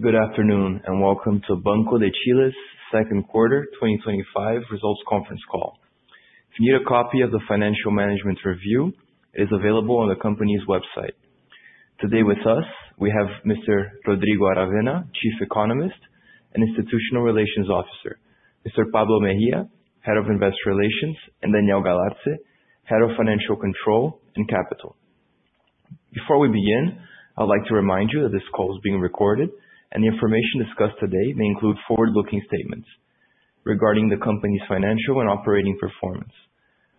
Good afternoon and welcome to Banco de Chile's second quarter 2025 results conference call. Need a copy of the financial management review? It is available on the company's website. Today with us, we have Mr. Rodrigo Aravena, Chief Economist and Institutional Relations Officer, Mr. Pablo Mejia, Head of Investor Relations, and Daniel Galarce, Head of Financial Control and Capital. Before we begin, I would like to remind you that this call is being recorded, and the information discussed today may include forward-looking statements regarding the company's financial and operating performance.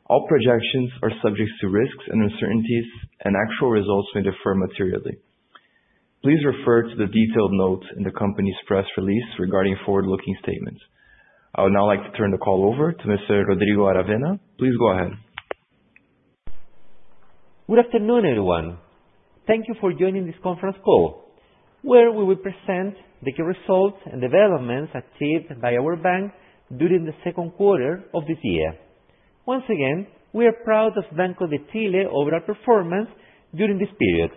All projections are subject to risks and uncertainties, and actual results may differ materially. Please refer to the detailed notes in the company's press release regarding forward-looking statements. I would now like to turn the call over to Mr. Rodrigo Aravena. Please go ahead. Good afternoon, everyone. Thank you for joining this conference call, where we will present the key results and developments achieved by our bank during the second quarter of this year. Once again, we are proud of Banco de Chile's overall performance during this period,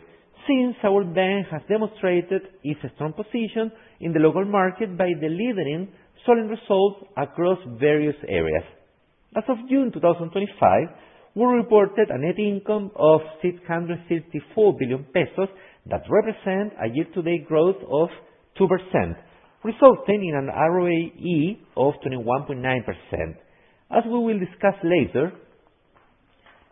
since our bank has demonstrated its strong position in the local market by delivering solid results across various areas. As of June 2025, we reported a net income of 654 billion pesos that represents a year-to-date growth of 2%, resulting in an ROE of 21.9%. As we will discuss later,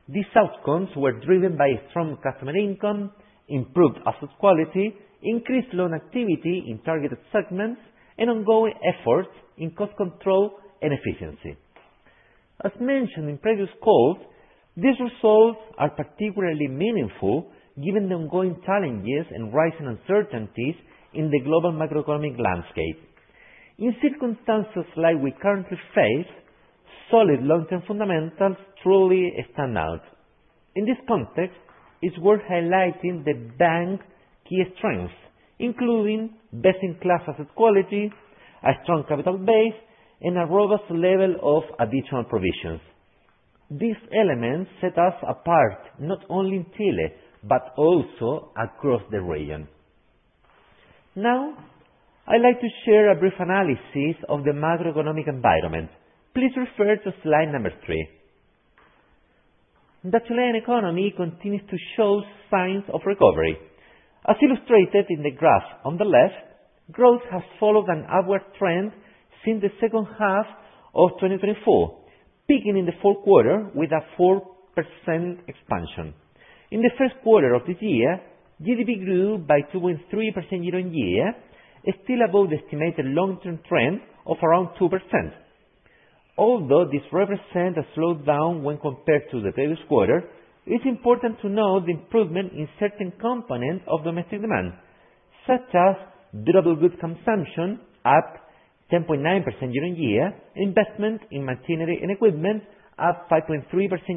these outcomes were driven by strong customer income, improved asset quality, increased loan activity in targeted segments, and ongoing efforts in cost control and efficiency. As mentioned in previous calls, these results are particularly meaningful given the ongoing challenges and rising uncertainties in the global macroeconomic landscape. In circumstances like we currently face, solid long-term fundamentals truly stand out. In this context, it is worth highlighting the bank's key strengths, including best-in-class asset quality, a strong capital base, and a robust level of additional provisions. These elements set us apart not only in Chile but also across the region. Now, I would like to share a brief analysis of the macroeconomic environment. Please refer to slide number three. The Chilean economy continues to show signs of recovery. As illustrated in the graph on the left, growth has followed an upward trend since the second half of 2024, peaking in the fourth quarter with a 4% expansion. In the first quarter of this year, GDP grew by 2.3% year-on-year, still above the estimated long-term trend of around 2%. Although this represents a slowdown when compared to the previous quarter, it is important to note the improvement in certain components of domestic demand, such as durable goods consumption up 10.9% year-on-year and investment in machinery and equipment up 5.3%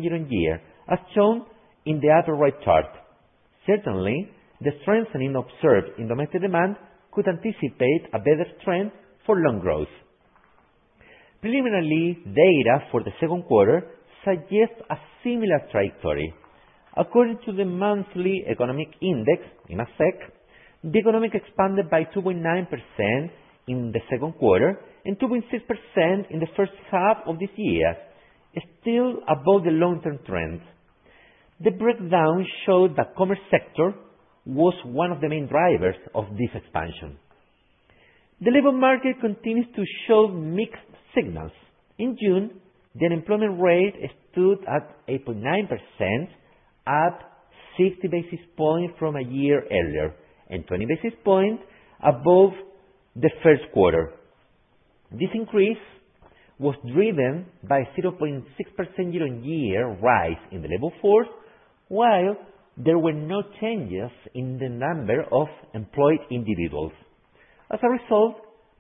year-on-year, as shown in the upper right chart. Certainly, the strengthening observed in domestic demand could anticipate a better trend for loan growth. Preliminary data for the second quarter suggests a similar trajectory. According to the Monthly Economic Index, the economy expanded by 2.9% in the second quarter and 2.6% in the first half of this year, still above the long-term trend. The breakdown showed that the commerce sector was one of the main drivers of this expansion. The labor market continues to show mixed signals. In June, the unemployment rate stood at 8.9%, up 60 basis points from a year earlier, and 20 basis points above the first quarter. This increase was driven by a 0.6% year-on-year rise in the labor force, while there were no changes in the number of employed individuals. As a result,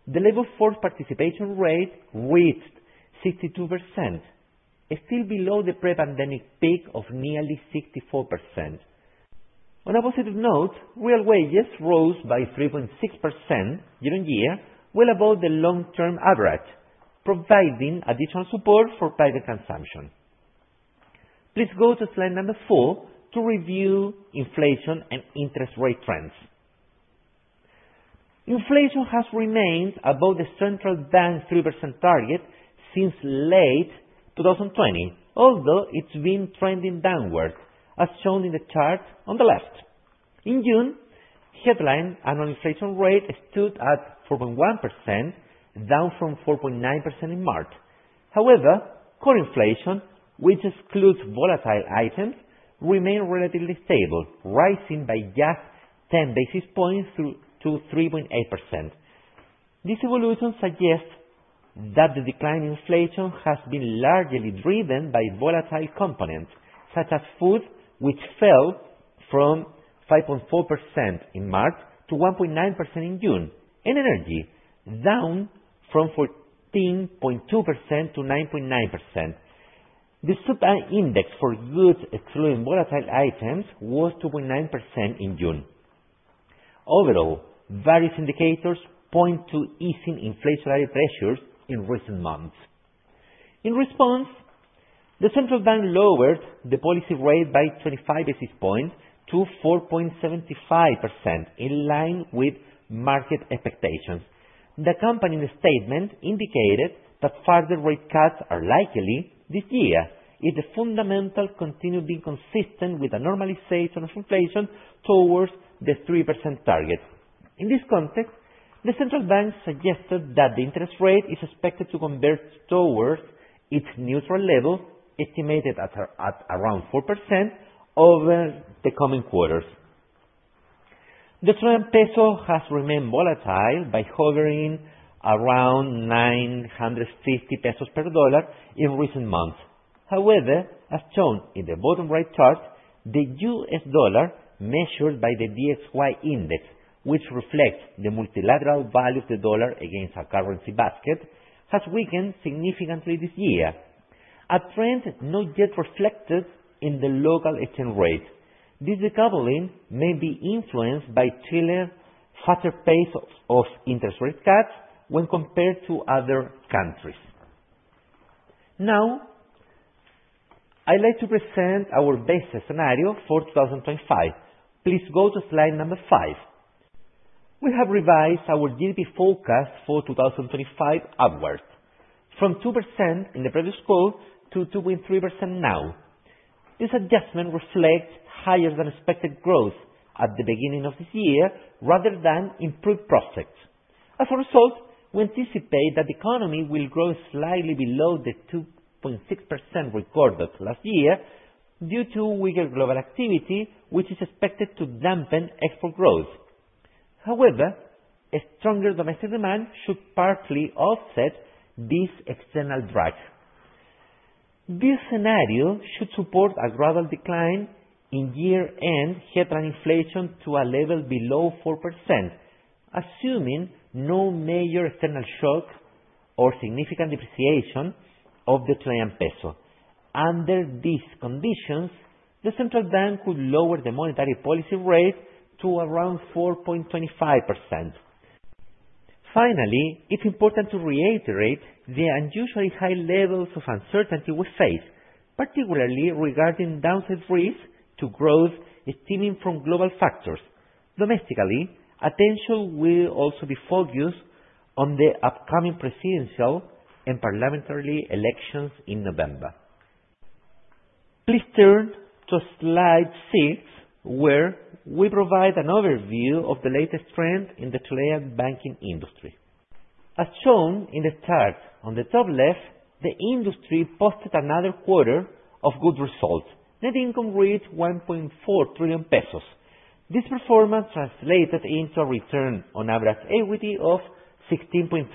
the labor force participation rate reached 62%, still below the pre-pandemic peak of nearly 64%. On a positive note, real wages rose by 3.6% year-on-year, well above the long-term average, providing additional support for private consumption. Please go to slide number four to review inflation and interest rate trends. Inflation has remained above the central bank's 3% target since late 2020, although it has been trending downward, as shown in the chart on the left. In June, the headline annual inflation rate stood at 4.1%, down from 4.9% in March. However, core inflation, which excludes volatile items, remained relatively stable, rising by just 10 basis points to 3.8%. This evolution suggests that the decline in inflation has been largely driven by volatile components, such as food, which fell from 5.4% in March to 1.9% in June, and energy, down from 14.2% to 9.9%. The supply index for goods excluding volatile items was 2.9% in June. Overall, various indicators point to easing inflationary pressures in recent months. In response, the central bank lowered the policy rate by 25 basis points to 4.75%, in line with market expectations. The company's statement indicated that further rate cuts are likely this year if the fundamentals continue being consistent with a normalization of inflation towards the 3% target. In this context, the central bank suggested that the interest rate is expected to converge towards its neutral level, estimated at around 4% over the coming quarters. The Chilean peso has remained volatile, hovering around 950 pesos per dollar in recent months. However, as shown in the bottom right chart, the U.S. dollar, measured by the DXY index, which reflects the multilateral value of the dollar against our currency basket, has weakened significantly this year, a trend not yet reflected in the local exchange rates. This decoupling may be influenced by Chile's faster pace of interest rate cuts when compared to other countries. Now, I would like to present our best scenario for 2025. Please go to slide number five. We have revised our GDP forecast for 2025 upwards, from 2% in the previous quarter to 2.3% now. This adjustment reflects higher-than-expected growth at the beginning of this year, rather than improved prospects. As a result, we anticipate that the economy will grow slightly below the 2.6% recorded last year due to weaker global activity, which is expected to dampen export growth. However, a stronger domestic demand should partly offset this external drag. This scenario should support a gradual decline in year-end headline inflation to a level below 4%, assuming no major external shock or significant depreciation of the Chilean peso. Under these conditions, the central bank could lower the monetary policy rate to around 4.25%. Finally, it is important to reiterate the unusually high levels of uncertainty we face, particularly regarding downside risks to growth stemming from global factors. Domestically, attention will also be focused on the upcoming presidential and parliamentary elections in November. Please turn to slide six, where we provide an overview of the latest trend in the Chilean banking industry. As shown in the chart on the top left, the industry posted another quarter of good results. Net income reached 1.4 trillion pesos. This performance translated into a return on average equity of 16.3%.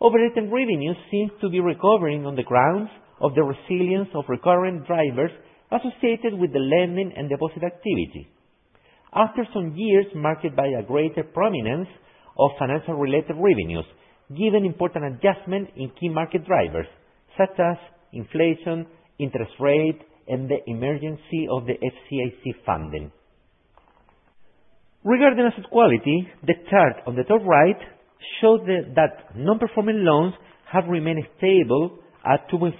Over-rated revenues seem to be recovering on the grounds of the resilience of recurring drivers associated with the lending and deposit activity. After some years, markets have seen a greater prominence of financial-related revenues, given important adjustments in key market drivers, such as inflation, interest rates, and the emergence of the FCIC funding. Regarding asset quality, the chart on the top right shows that non-performing loans have remained stable at 2.4%,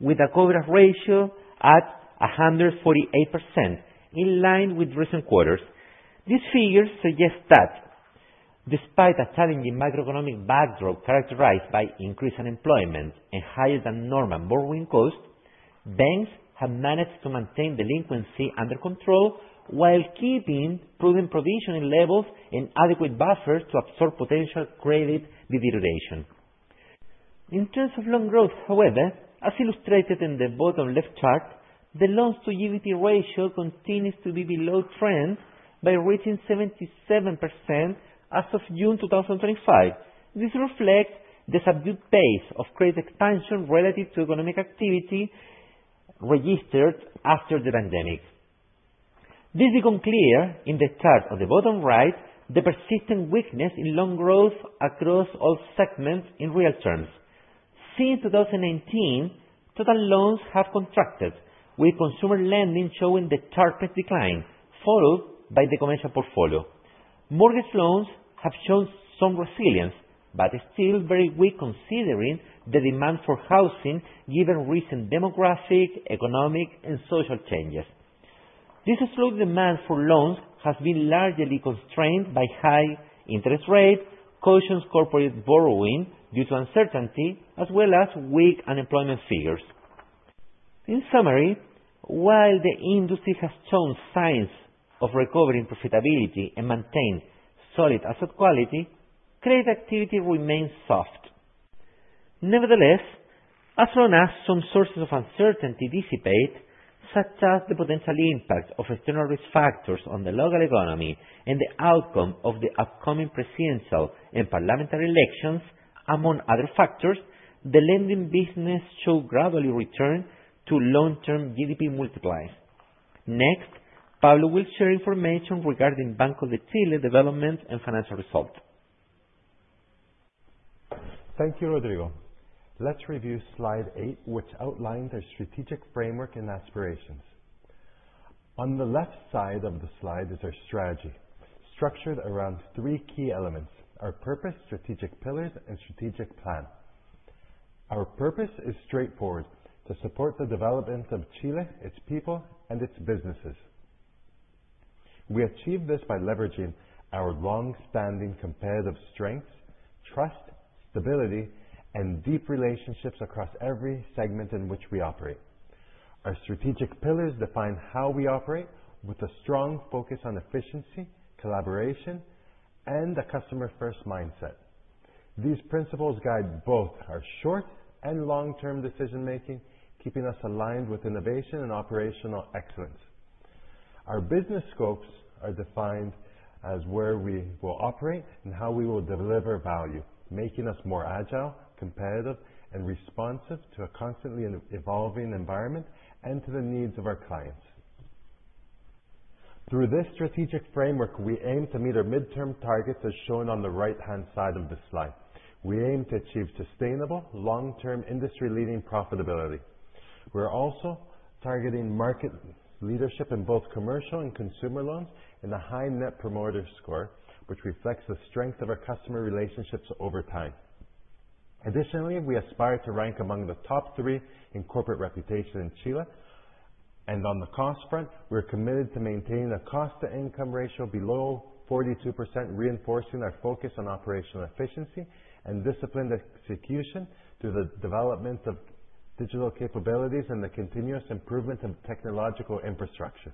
with a coverage ratio at 148%, in line with recent quarters. These figures suggest that, despite a challenging macroeconomic backdrop characterized by increased unemployment and higher-than-normal borrowing costs, banks have managed to maintain delinquency under control while keeping prudent provisioning levels and adequate buffers to absorb potential credit degradation. In terms of loan growth, however, as illustrated in the bottom left chart, the loan-to-GDP ratio continues to be below trend by reaching 77% as of June 2025. This reflects the subdued pace of credit expansion relative to economic activity registered after the pandemic. This becomes clear in the chart on the bottom right, the persistent weakness in loan growth across all segments in real terms. Since 2019, total loans have contracted, with consumer lending showing the sharpest decline, followed by the commercial portfolio. Mortgage loans have shown strong resilience, but still very weak considering the demand for housing, given recent demographic, economic, and social changes. This slow demand for loans has been largely constrained by high interest rates, cautious corporate borrowing due to uncertainty, as well as weak unemployment figures. In summary, while the industry has shown signs of recovery in profitability and maintained solid asset quality, credit activity remains soft. Nevertheless, as long as some sources of uncertainty dissipate, such as the potential impact of external risk factors on the local economy and the outcome of the upcoming presidential and parliamentary elections, among other factors, the lending business should gradually return to long-term GDP multipliers. Next, Pablo will share information regarding Banco de Chile's developments and financial results. Thank you, Rodrigo. Let's review slide eight, which outlines our strategic framework and aspirations. On the left side of the slide is our strategy, structured around three key elements: our purpose, strategic pillars, and strategic plan. Our purpose is straightforward: to support the development of Chile, its people, and its businesses. We achieve this by leveraging our long-standing competitive strengths, trust, stability, and deep relationships across every segment in which we operate. Our strategic pillars define how we operate, with a strong focus on efficiency, collaboration, and a customer-first mindset. These principles guide both our short and long-term decision-making, keeping us aligned with innovation and operational excellence. Our business scopes are defined as where we will operate and how we will deliver value, making us more agile, competitive, and responsive to a constantly evolving environment and to the needs of our clients. Through this strategic framework, we aim to meet our midterm targets, as shown on the right-hand side of the slide. We aim to achieve sustainable, long-term, industry-leading profitability. We're also targeting market leadership in both commercial and consumer loans, and a high net promoter score, which reflects the strength of our customer relationships over time. Additionally, we aspire to rank among the top three in corporate reputation in Chile. On the cost front, we're committed to maintaining a cost-to-income ratio below 42%, reinforcing our focus on operational efficiency and disciplined execution through the development of digital capabilities and the continuous improvement of technological infrastructure.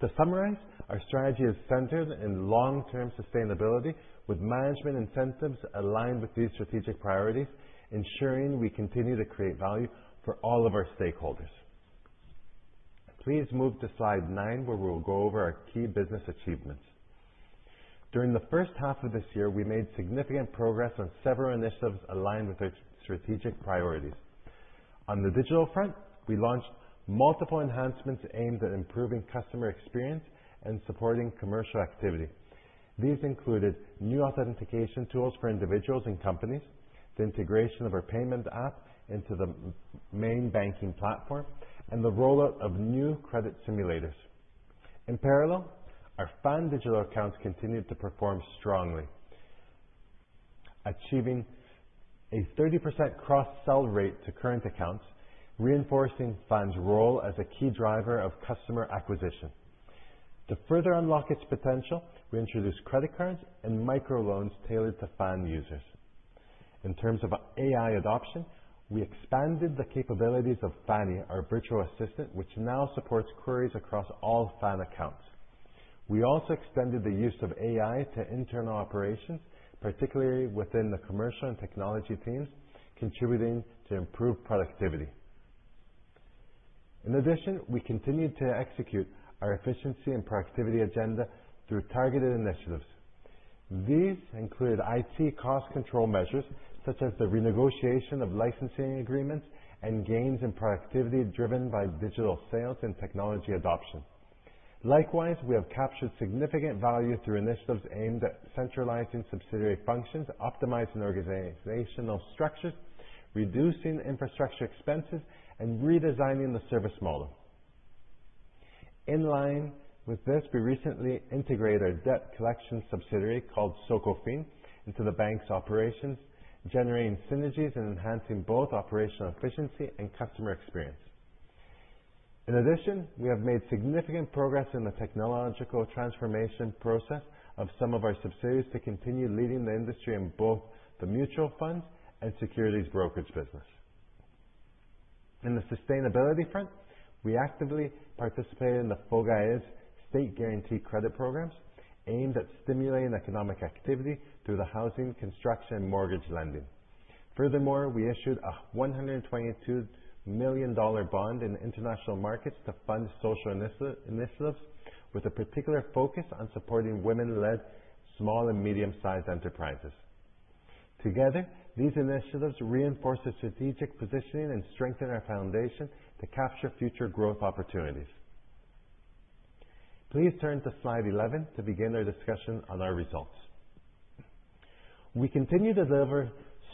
To summarize, our strategy is centered in long-term sustainability, with management incentives aligned with these strategic priorities, ensuring we continue to create value for all of our stakeholders. Please move to slide nine, where we will go over our key business achievements. During the first half of this year, we made significant progress on several initiatives aligned with our strategic priorities. On the digital front, we launched multiple enhancements aimed at improving customer experience and supporting commercial activity. These included new authentication tools for individuals and companies, the integration of our payment app into the main banking platform, and the rollout of new credit simulators. In parallel, our fund digital accounts continued to perform strongly, achieving a 30% cross-sell rate to current accounts, reinforcing funds' role as a key driver of customer acquisition. To further unlock its potential, we introduced credit cards and microloans tailored to fund users. In terms of AI adoption, we expanded the capabilities of Fanny, our virtual assistant, which now supports queries across all fund accounts. We also extended the use of AI to internal operations, particularly within the commercial and technology teams, contributing to improved productivity. In addition, we continued to execute our efficiency and productivity agenda through targeted initiatives. These included IT cost control measures, such as the renegotiation of licensing agreements and gains in productivity driven by digital sales and technology adoption. Likewise, we have captured significant value through initiatives aimed at centralizing subsidiary functions, optimizing organizational structures, reducing infrastructure expenses, and redesigning the service model. In line with this, we recently integrated our debt collection subsidiary called SOCO Fin into the bank's operations, generating synergies and enhancing both operational efficiency and customer experience. In addition, we have made significant progress in the technological transformation process of some of our subsidiaries to continue leading the industry in both the mutual funds and securities brokerage business. In the sustainability front, we actively participated in the FOGAES State Guarantee Credit programs, aimed at stimulating economic activity through the housing, construction, and mortgage lending. Furthermore, we issued a $122 million bond in international markets to fund social initiatives, with a particular focus on supporting women-led small and medium-sized enterprises. Together, these initiatives reinforce the strategic positioning and strengthen our foundation to capture future growth opportunities. Please turn to slide 11 to begin our discussion on our results. We continue to deliver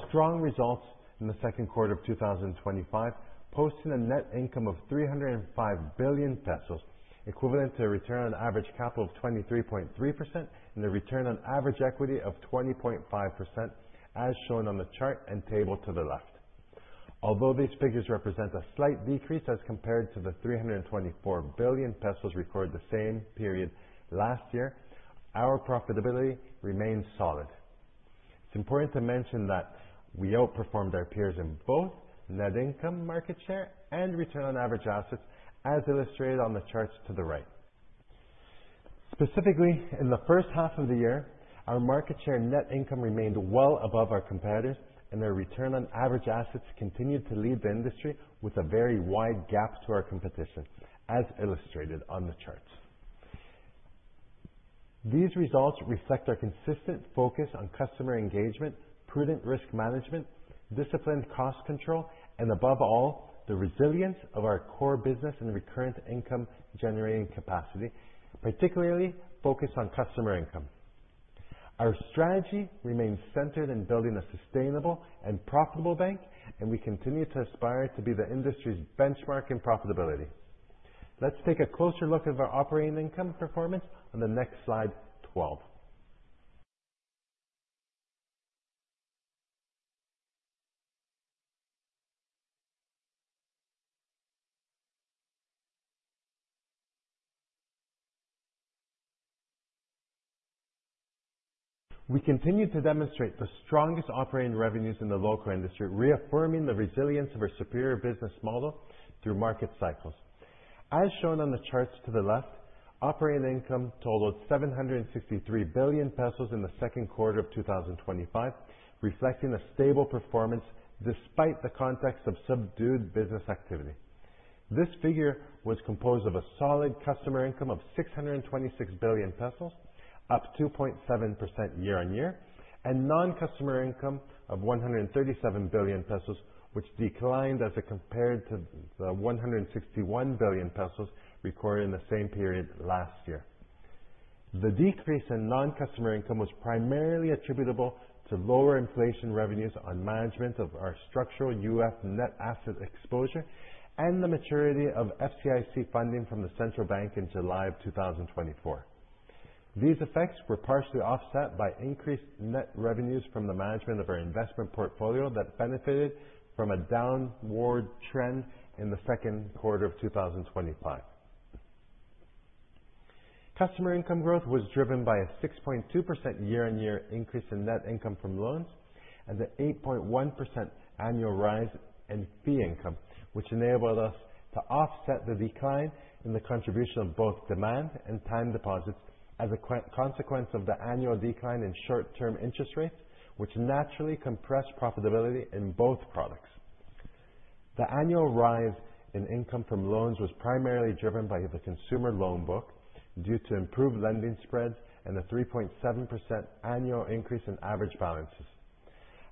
strong results in the second quarter of 2025, posting a net income of 305 billion pesos, equivalent to a return on average capital of 23.3% and a return on average equity of 20.5%, as shown on the chart and table to the left. Although these figures represent a slight decrease as compared to the 324 billion pesos recorded the same period last year, our profitability remains solid. It's important to mention that we outperformed our peers in both net income, market share, and return on average assets, as illustrated on the charts to the right. Specifically, in the first half of the year, our market share and net income remained well above our competitors, and our return on average assets continued to lead the industry with a very wide gap to our competition, as illustrated on the charts. These results reflect our consistent focus on customer engagement, prudent risk management, disciplined cost control, and above all, the resilience of our core business and recurrent income-generating capacity, particularly focused on customer income. Our strategy remains centered in building a sustainable and profitable bank, and we continue to aspire to be the industry's benchmark in profitability. Let's take a closer look at our operating income performance on the next slide 12. We continue to demonstrate the strongest operating revenues in the local industry, reaffirming the resilience of our superior business model through market cycles. As shown on the charts to the left, operating income totaled 753 billion pesos in the second quarter of 2025, reflecting a stable performance despite the context of subdued business activity. This figure was composed of a solid customer income of 626 billion pesos, up 2.7% year-on-year, and non-customer income of 137 billion pesos, which declined as compared to the 161 billion pesos recorded in the same period last year. The decrease in non-customer income was primarily attributable to lower inflation revenues on management of our structural UF net asset exposure and the maturity of FCIC funding from the central bank in July of 2024. These effects were partially offset by increased net revenues from the management of our investment portfolio that benefited from a downward trend in the second quarter of 2025. Customer income growth was driven by a 6.2% year-on-year increase in net income from loans and the 8.1% annual rise in fee income, which enabled us to offset the decline in the contribution of both demand and time deposits as a consequence of the annual decline in short-term interest rates, which naturally compressed profitability in both products. The annual rise in income from loans was primarily driven by the consumer loan book due to improved lending spreads and the 3.7% annual increase in average balances.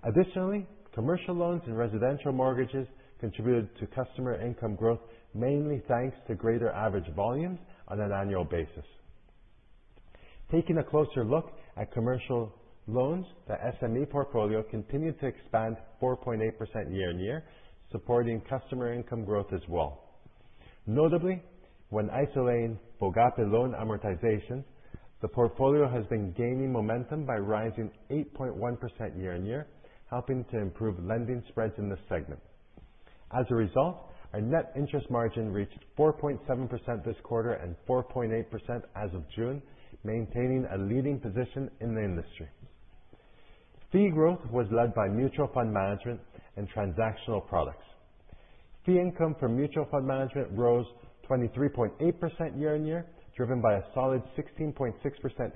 Additionally, commercial loans and residential mortgages contributed to customer income growth, mainly thanks to greater average volumes on an annual basis. Taking a closer look at commercial loans, the SME portfolio continued to expand 4.8% year-on-year, supporting customer income growth as well. Notably, when isolating bogate loan amortization, the portfolio has been gaining momentum by rising 8.1% year-on-year, helping to improve lending spreads in this segment. As a result, our net interest margin reached 4.7% this quarter and 4.8% as of June, maintaining a leading position in the industry. Fee growth was led by mutual fund management and transactional products. Fee income from mutual fund management rose 23.8% year-on-year, driven by a solid 16.6%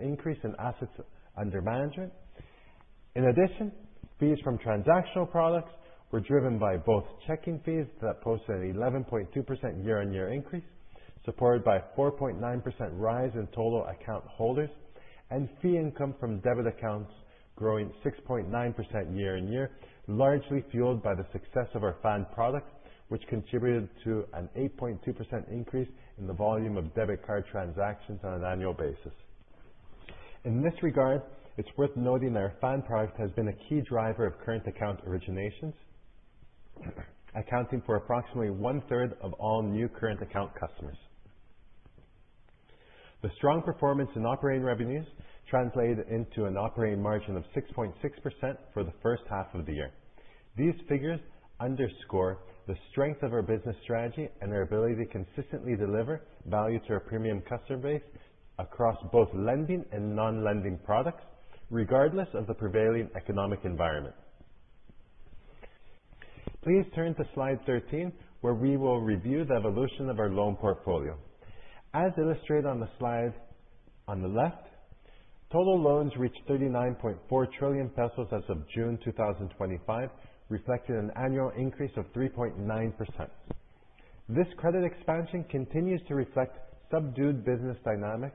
increase in assets under management. In addition, fees from transactional products were driven by both checking fees that posted an 11.2% year-on-year increase, supported by a 4.9% rise in total account holders, and fee income from debit accounts growing 6.9% year-on-year, largely fueled by the success of our fund products, which contributed to an 8.2% increase in the volume of debit card transactions on an annual basis. In this regard, it's worth noting that our fund product has been a key driver of current account originations, accounting for approximately 1/3 of all new current account customers. The strong performance in operating revenues translated into an operating margin of 6.6% for the first half of the year. These figures underscore the strength of our business strategy and our ability to consistently deliver value to our premium customer base across both lending and non-lending products, regardless of the prevailing economic environment. Please turn to slide 13, where we will review the evolution of our loan portfolio. As illustrated on the slide on the left, total loans reached 39.4 trillion pesos as of June 2025, reflecting an annual increase of 3.9%. This credit expansion continues to reflect a subdued business dynamic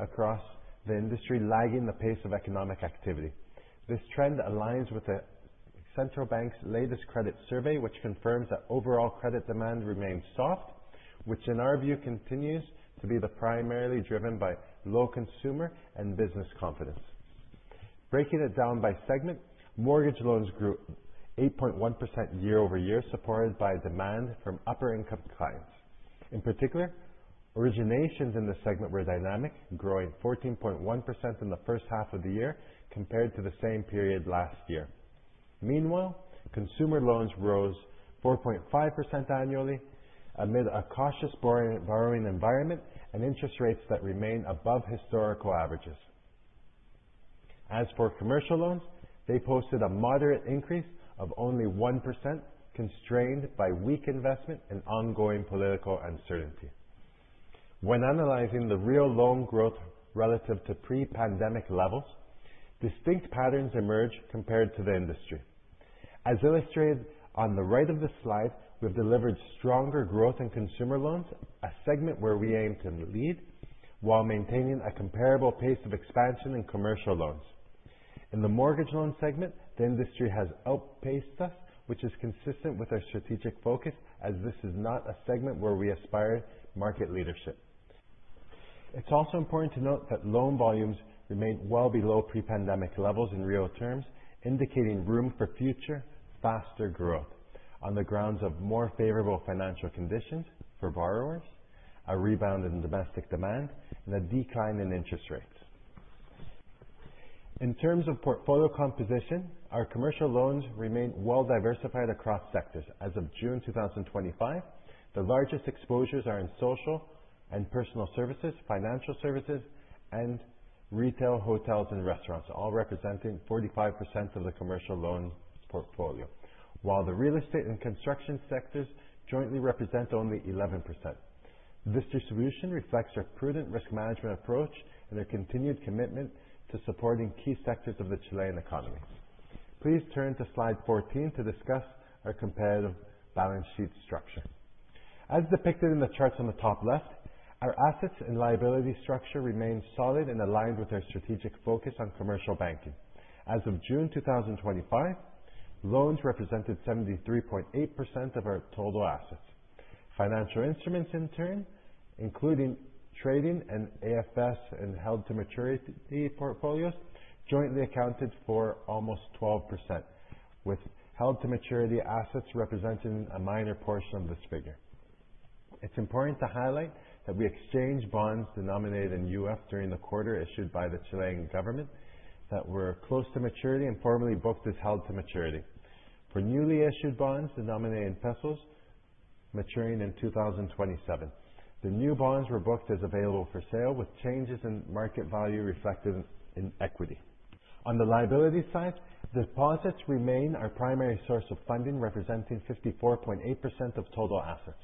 across the industry, lagging the pace of economic activity. This trend aligns with the central bank's latest credit survey, which confirms that overall credit demand remains soft, which in our view continues to be primarily driven by low consumer and business confidence. Breaking it down by segment, mortgage loans grew 8.1% year-over-year, supported by demand from upper-income clients. In particular, originations in this segment were dynamic, growing 14.1% in the first half of the year compared to the same period last year. Meanwhile, consumer loans rose 4.5% annually amid a cautious borrowing environment and interest rates that remain above historical averages. As for commercial loans, they posted a moderate increase of only 1%, constrained by weak investment and ongoing political uncertainty. When analyzing the real loan growth relative to pre-pandemic levels, distinct patterns emerge compared to the industry. As illustrated on the right of the slide, we've delivered stronger growth in consumer loans, a segment where we aim to lead, while maintaining a comparable pace of expansion in commercial loans. In the mortgage loan segment, the industry has outpaced us, which is consistent with our strategic focus, as this is not a segment where we aspire to market leadership. It's also important to note that loan volumes remain well below pre-pandemic levels in real terms, indicating room for future faster growth on the grounds of more favorable financial conditions for borrowers, a rebound in domestic demand, and a decline in interest rates. In terms of portfolio composition, our commercial loans remain well diversified across sectors. As of June 2025, the largest exposures are in social and personal services, financial services, and retail hotels and restaurants, all representing 45% of the commercial loans portfolio, while the real estate and construction sectors jointly represent only 11%. This distribution reflects our prudent risk management approach and our continued commitment to supporting key sectors of the Chilean economy. Please turn to slide 14 to discuss our competitive balance sheet structure. As depicted in the charts on the top left, our assets and liability structure remains solid and aligned with our strategic focus on commercial banking. As of June 2025, loans represented 73.8% of our total assets. Financial instruments, in turn, including trading and AFS and held-to-maturity portfolios, jointly accounted for almost 12%, with held-to-maturity assets representing a minor portion of this figure. It's important to highlight that we exchanged bonds denominated in UF during the quarter issued by the Chilean government that were close to maturity and formally booked as held-to-maturity. For newly issued bonds denominated in pesos, maturing in 2027, the new bonds were booked as available for sale, with changes in market value reflected in equity. On the liability side, deposits remain our primary source of funding, representing 54.8% of total assets.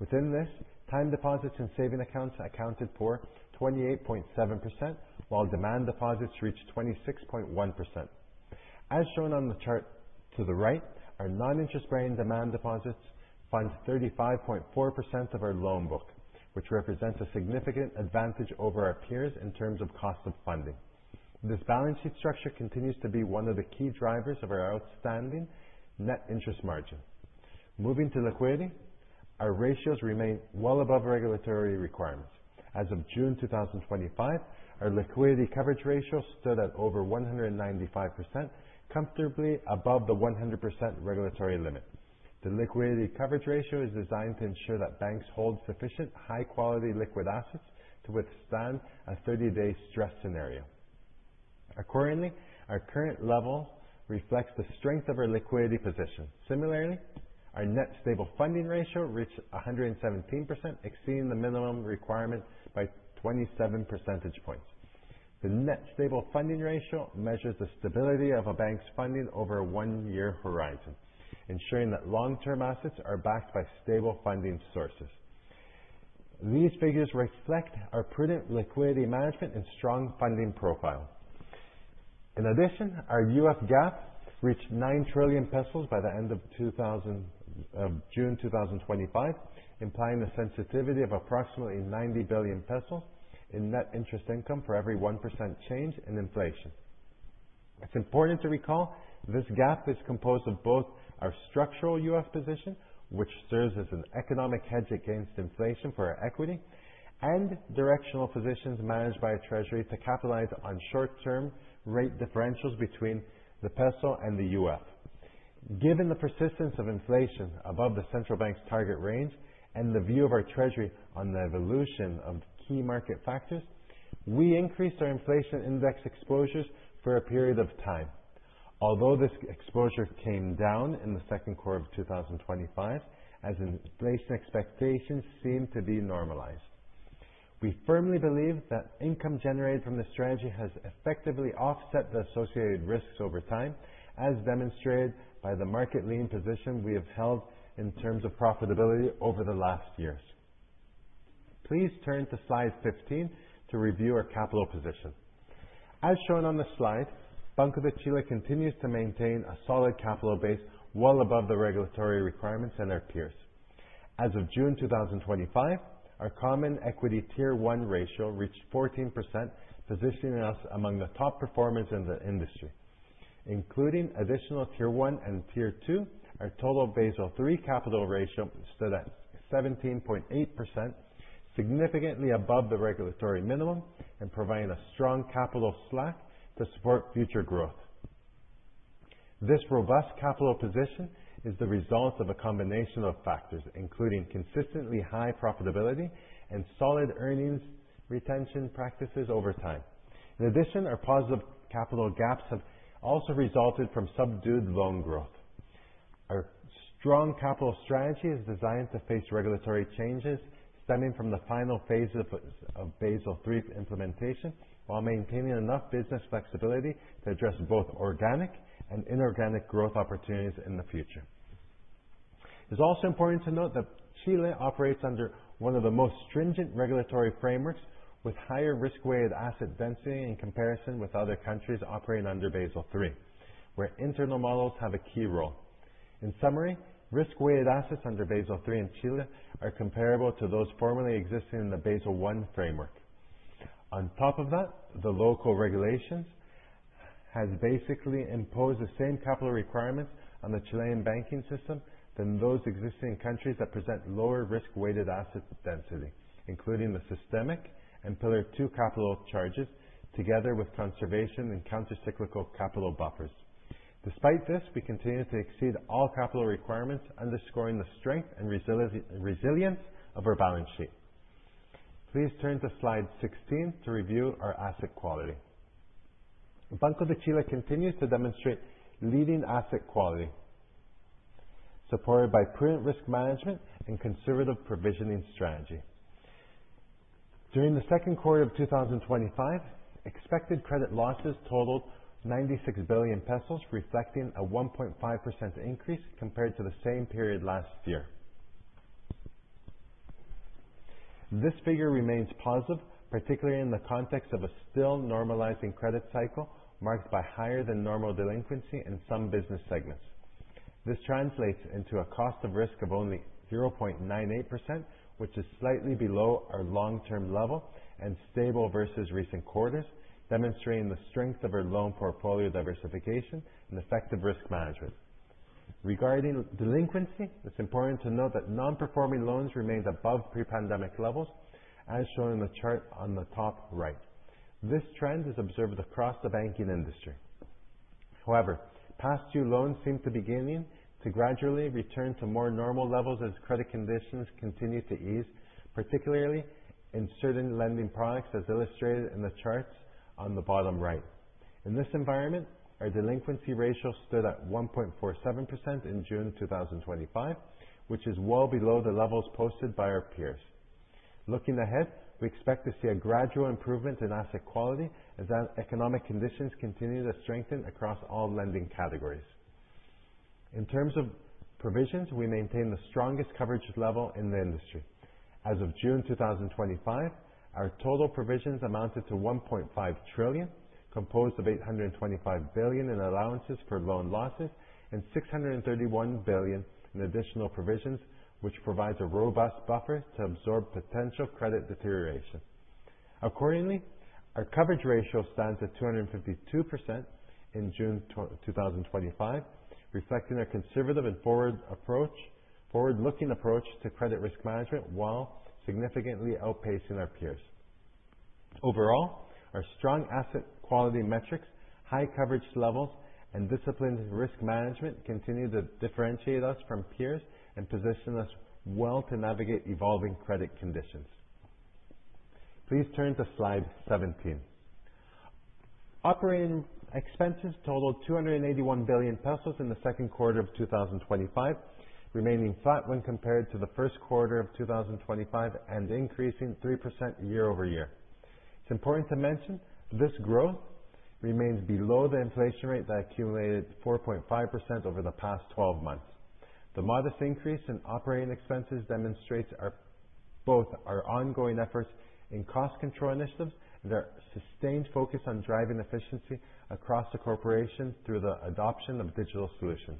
Within this, time deposits and saving accounts accounted for 28.7%, while demand deposits reached 26.1%. As shown on the chart to the right, our non-interest-bearing demand deposits fund 35.4% of our loan book, which represents a significant advantage over our peers in terms of cost of funding. This balance sheet structure continues to be one of the key drivers of our outstanding net interest margin. Moving to liquidity, our ratios remain well above regulatory requirements. As of June 2025, our liquidity coverage ratio stood at over 195%, comfortably above the 100% regulatory limit. The liquidity coverage ratio is designed to ensure that banks hold sufficient high-quality liquid assets to withstand a 30-day stress scenario. Accordingly, our current level reflects the strength of our liquidity position. Similarly, our net stable funding ratio reached 117%, exceeding the minimum requirement by 27 percentage points. The net stable funding ratio measures the stability of a bank's funding over a one-year horizon, ensuring that long-term assets are backed by stable funding sources. These figures reflect our prudent liquidity management and strong funding profile. In addition, our UF gap reached 9 trillion pesos by the end of June 2025, implying a sensitivity of approximately 90 billion pesos in net interest income for every 1% change in inflation. It's important to recall this gap is composed of both our structural UF position, which serves as an economic hedge against inflation for our equity, and directional positions managed by a treasury to capitalize on short-term rate differentials between the peso and the UF. Given the persistence of inflation above the central bank's target range and the view of our treasury on the evolution of key market factors, we increased our inflation index exposures for a period of time, although this exposure came down in the second quarter of 2025, as inflation expectations seemed to be normalized. We firmly believe that income generated from this strategy has effectively offset the associated risks over time, as demonstrated by the market-lean position we have held in terms of profitability over the last years. Please turn to slide 15 to review our capital position. As shown on the slide, Banco de Chile continues to maintain a solid capital base, well above the regulatory requirements and our peers. As of June 2025, our common equity tier one ratio reached 14%, positioning us among the top performers in the industry. Including additional tier one and tier two, our total Basel III capital ratio stood at 17.8%, significantly above the regulatory minimum and providing a strong capital slack to support future growth. This robust capital position is the result of a combination of factors, including consistently high profitability and solid earnings retention practices over time. In addition, our positive capital gaps have also resulted from subdued loan growth. Our strong capital strategy is designed to face regulatory changes stemming from the final phase of Basel III implementation, while maintaining enough business flexibility to address both organic and inorganic growth opportunities in the future. It's also important to note that Chile operates under one of the most stringent regulatory frameworks, with higher risk-weighted asset density in comparison with other countries operating under Basel III, where internal models have a key role. In summary, risk-weighted assets under Basel III in Chile are comparable to those formerly existing in the Basel I framework. On top of that, the local regulations have basically imposed the same capital requirements on the Chilean banking system as those existing in countries that present lower risk-weighted asset density, including the systemic and pillar two capital charges, together with conservation and countercyclical capital buffers. Despite this, we continue to exceed all capital requirements, underscoring the strength and resilience of our balance sheet. Please turn to slide 16 to review our asset quality. Banco de Chile continues to demonstrate leading asset quality, supported by prudent risk management and conservative provisioning strategy. During the second quarter of 2025, expected credit losses totaled 96 billion pesos, reflecting a 1.5% increase compared to the same period last year. This figure remains positive, particularly in the context of a still normalizing credit cycle marked by higher-than-normal delinquency in some business segments. This translates into a cost of risk of only 0.98%, which is slightly below our long-term level and stable versus recent quarters, demonstrating the strength of our loan portfolio diversification and effective risk management. Regarding delinquency, it's important to note that non-performing loans remain above pre-pandemic levels, as shown in the chart on the top right. This trend is observed across the banking industry. However, past due loans seem to be beginning to gradually return to more normal levels as credit conditions continue to ease, particularly in certain lending products, as illustrated in the charts on the bottom right. In this environment, our delinquency ratio stood at 1.47% in June 2025, which is well below the levels posted by our peers. Looking ahead, we expect to see a gradual improvement in asset quality as economic conditions continue to strengthen across all lending categories. In terms of provisions, we maintain the strongest coverage level in the industry. As of June 2025, our total provisions amounted to 1.5 trillion, composed of 825 billion in allowances for loan losses and 631 billion in additional provisions, which provides a robust buffer to absorb potential credit deterioration. Accordingly, our coverage ratio stands at 252% in June 2025, reflecting a conservative and forward-looking approach to credit risk management, while significantly outpacing our peers. Overall, our strong asset quality metrics, high coverage levels, and disciplined risk management continue to differentiate us from peers and position us well to navigate evolving credit conditions. Please turn to slide 17. Operating expenses totaled 281 billion pesos in the second quarter of 2025, remaining flat when compared to the first quarter of 2025 and increasing 3% year-over-year. It's important to mention this growth remains below the inflation rate that accumulated 4.5% over the past 12 months. The modest increase in operating expenses demonstrates both our ongoing efforts in cost control initiatives and our sustained focus on driving efficiency across the corporation through the adoption of digital solutions.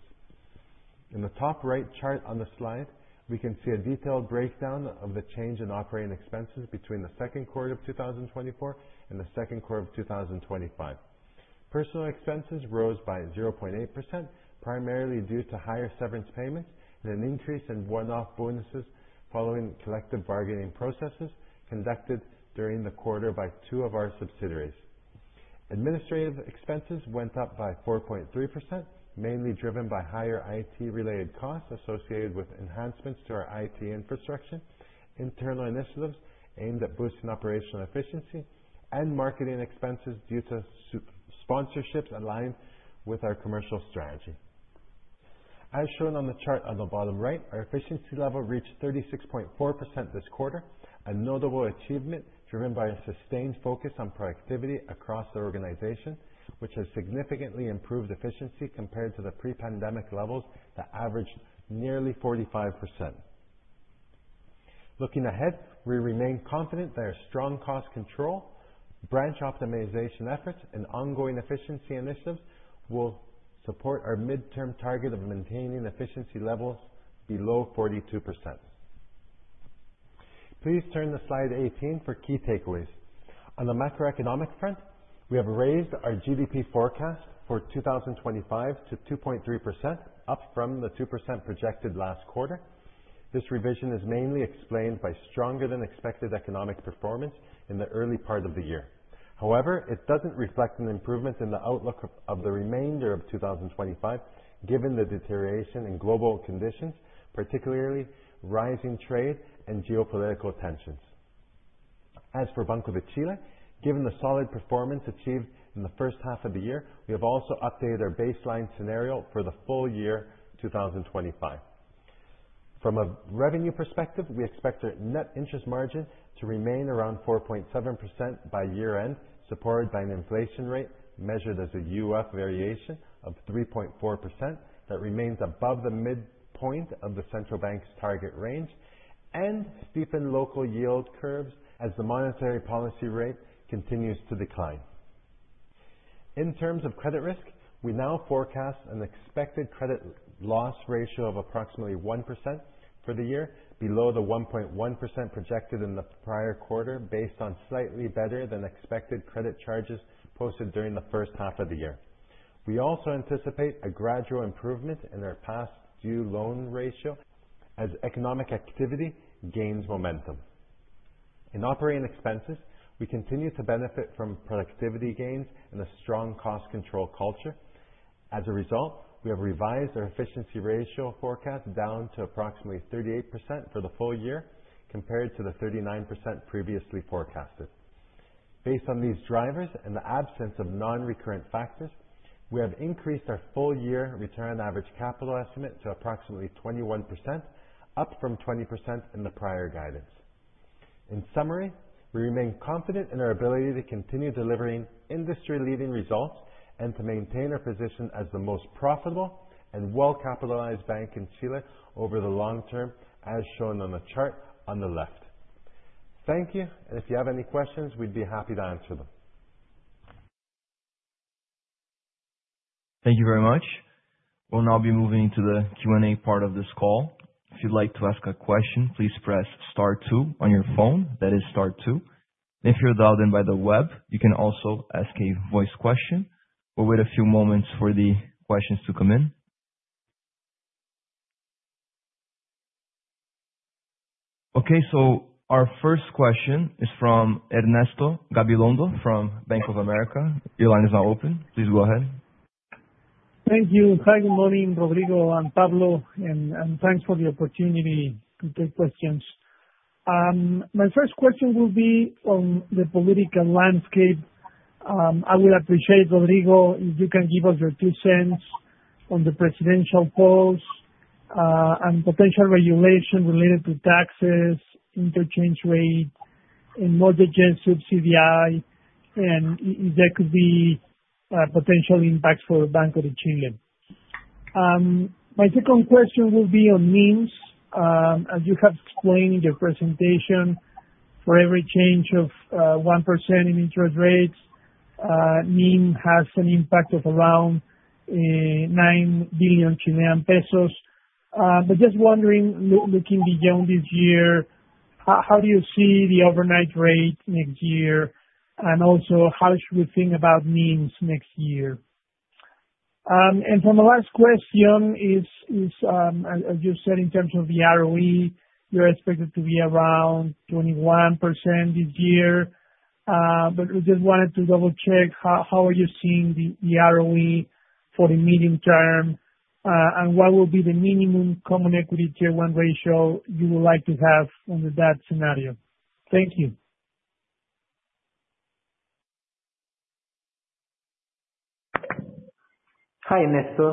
In the top right chart on the slide, we can see a detailed breakdown of the change in operating expenses between the second quarter of 2024 and the second quarter of 2025. Personal expenses rose by 0.8%, primarily due to higher severance payments and an increase in one-off bonuses following collective bargaining processes conducted during the quarter by two of our subsidiaries. Administrative expenses went up by 4.3%, mainly driven by higher IT-related costs associated with enhancements to our IT infrastructure, internal initiatives aimed at boosting operational efficiency, and marketing expenses due to sponsorships aligned with our commercial strategy. As shown on the chart on the bottom right, our efficiency level reached 36.4% this quarter, a notable achievement driven by a sustained focus on productivity across the organization, which has significantly improved efficiency compared to the pre-pandemic levels that averaged nearly 45%. Looking ahead, we remain confident that our strong cost control, branch optimization efforts, and ongoing efficiency initiatives will support our midterm target of maintaining efficiency levels below 42%. Please turn to slide 18 for key takeaways. On the macroeconomic front, we have raised our GDP forecast for 2025 to 2.3%, up from the 2% projected last quarter. This revision is mainly explained by stronger-than-expected economic performance in the early part of the year. However, it doesn't reflect an improvement in the outlook of the remainder of 2025, given the deterioration in global conditions, particularly rising trade and geopolitical tensions. As for Banco de Chile, given the solid performance achieved in the first half of the year, we have also updated our baseline scenario for the full year 2025. From a revenue perspective, we expect our net interest margin to remain around 4.7% by year-end, supported by an inflation rate measured as a UF variation of 3.4% that remains above the midpoint of the central bank's target range and steepened local yield curves as the monetary policy rate continues to decline. In terms of credit risk, we now forecast an expected credit loss ratio of approximately 1% for the year, below the 1.1% projected in the prior quarter, based on slightly better-than-expected credit charges posted during the first half of the year. We also anticipate a gradual improvement in our past due loan ratio as economic activity gains momentum. In operating expenses, we continue to benefit from productivity gains and a strong cost control culture. As a result, we have revised our efficiency ratio forecast down to approximately 38% for the full year, compared to the 39% previously forecasted. Based on these drivers and the absence of non-recurrent factors, we have increased our full-year return on average capital estimate to approximately 21%, up from 20% in the prior guidance. In summary, we remain confident in our ability to continue delivering industry-leading results and to maintain our position as the most profitable and well-capitalized bank in Chile over the long term, as shown on the chart on the left. Thank you, and if you have any questions, we'd be happy to answer them. Thank you very much. We'll now be moving into the Q&A part of this call. If you'd like to ask a question, please press star two on your phone. That is star two. If you're dialed in by the web, you can also ask a voice question. We'll wait a few moments for the questions to come in. Okay, our first question is from Ernesto Gabilondo from Bank of America. Your line is now open. Please go ahead. Thank you. Hi, good morning, Rodrigo and Pablo, and thanks for the opportunity to take questions. My first question will be on the political landscape. I would appreciate it, Rodrigo, if you can give us your two cents on the presidential polls and potential regulation related to taxes, interchange rate, and mortgage subsidy, and if there could be potential impacts for Banco de Chile. My second question will be on NIMs. As you have explained in your presentation, for every change of 1% in interest rates, NIM has an impact of around 9 billion Chilean pesos. I am just wondering, looking beyond this year, how do you see the overnight rate next year? Also, how should we think about NIMs next year? For my last question, as you said, in terms of the ROE, you're expected to be around 21% this year. We just wanted to double-check how you are seeing the ROE for the medium term and what will be the minimum common equity tier one ratio you would like to have under that scenario. Thank you. Hi, Ernesto.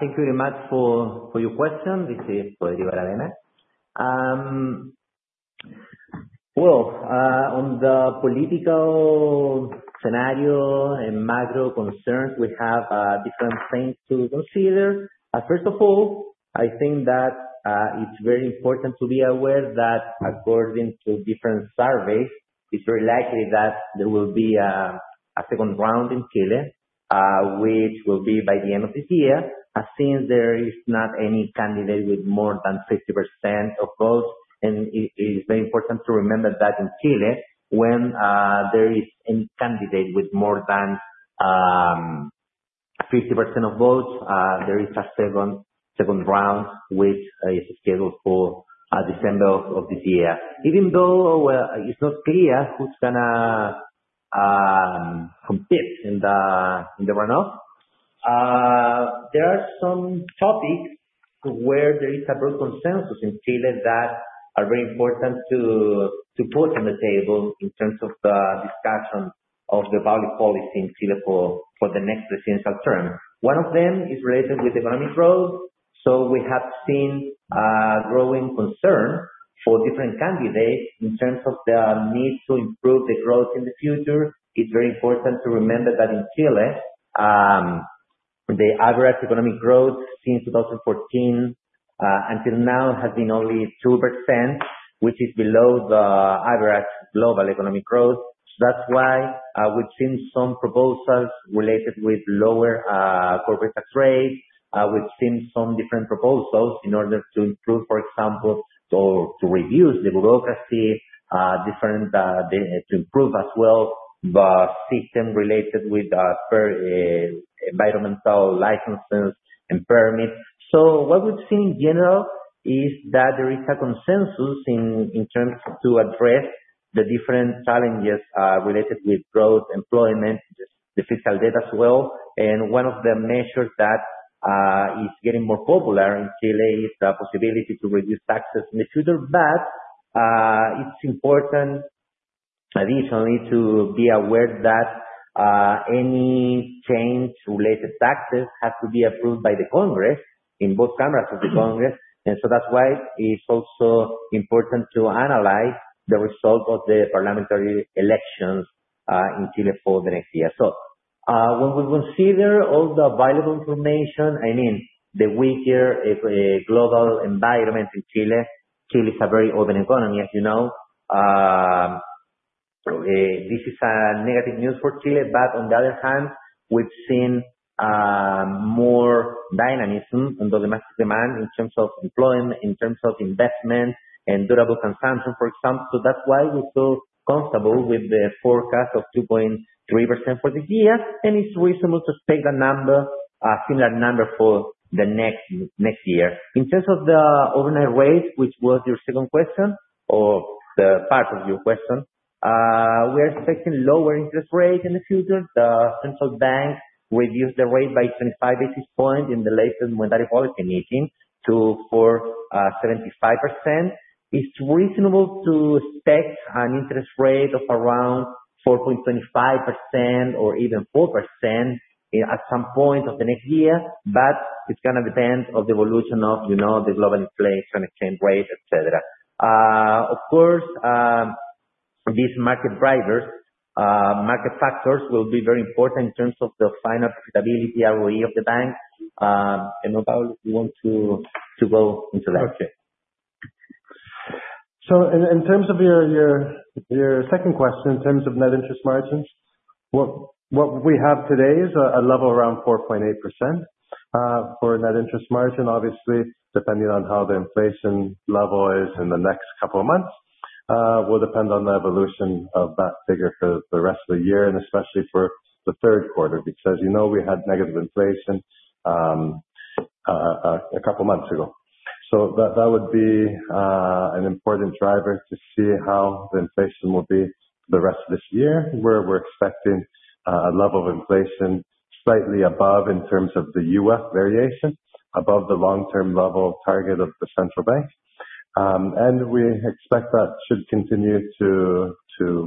Thank you very much for your question. This is Rodrigo Aravena. On the political scenario and macro concern, we have different things to consider. First of all, I think that it's very important to be aware that according to different surveys, it's very likely that there will be a second round in Chile, which will be by the end of this year, since there is not any candidate with more than 50% of votes. It is very important to remember that in Chile, when there is a candidate with more than 50% of votes, there is a second round, which is scheduled for December of this year. Even though it's not clear who's going to compete in the run-off, there are some topics where there is a broad consensus in Chile that are very important to put on the table in terms of the discussion of the value policy in Chile for the next presidential term. One of them is related with economic growth. We have seen a growing concern for different candidates in terms of the need to improve the growth in the future. It's very important to remember that in Chile, the average economic growth since 2014 until now has been only 2%, which is below the average global economic growth. That's why we've seen some proposals related with lower corporate tax rates. We've seen some different proposals in order to improve, for example, to reduce the bureaucracy, to improve as well the system related with environmental licenses and permits. What we've seen in general is that there is a consensus in terms to address the different challenges related with growth, employment, the fiscal debt as well. One of the measures that is getting more popular in Chile is the possibility to reduce taxes in the future. It's important, additionally, to be aware that any change related to taxes has to be approved by the Congress in both cameras of the Congress. That's why it's also important to analyze the result of the parliamentary elections in Chile for the next year. When we consider all the available information, I mean the weaker global environment in Chile, Chile is a very open economy, as you know. This is negative news for Chile. On the other hand, we've seen more dynamism in the domestic demand in terms of employment, in terms of investment, and durable consumption, for example. That's why we feel comfortable with the forecast of 2.3% for this year. It's reasonable to expect a similar number for the next year. In terms of the overnight rates, which was your second question or the part of your question, we are expecting a lower interest rate in the future. The central bank reduced the rate by 25 basis points in the latest monetary policy, in 2018, to 4.75%. It's reasonable to expect an interest rate of around 4.25% or even 4% at some point of the next year. It's going to depend on the evolution of the global inflation, exchange rates, etc. Of course, these market drivers, market factors will be very important in terms of the final profitability, ROE of the bank. We want to go into that. Okay. In terms of your second question, in terms of net interest margins, what we have today is a level around 4.8% for a net interest margin. Obviously, depending on how the inflation level is in the next couple of months, it will depend on the evolution of that figure for the rest of the year and especially for the third quarter, because, as you know, we had negative inflation a couple of months ago. That would be an important driver to see how the inflation will be the rest of this year, where we're expecting a level of inflation slightly above, in terms of the UF variation, above the long-term level target of the central bank. We expect that should continue to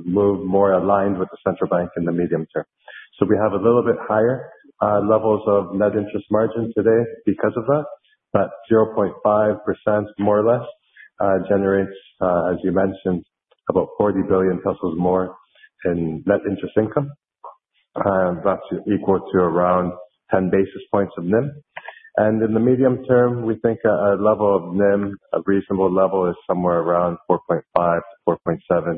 move more aligned with the central bank in the medium term. We have a little bit higher levels of net interest margin today because of that. That 0.5% more or less generates, as you mentioned, about 40 billion pesos more in net interest income. That's equal to around 10 basis points of NIM. In the medium term, we think a level of NIM, a reasonable level, is somewhere around 4.5%-4.7%,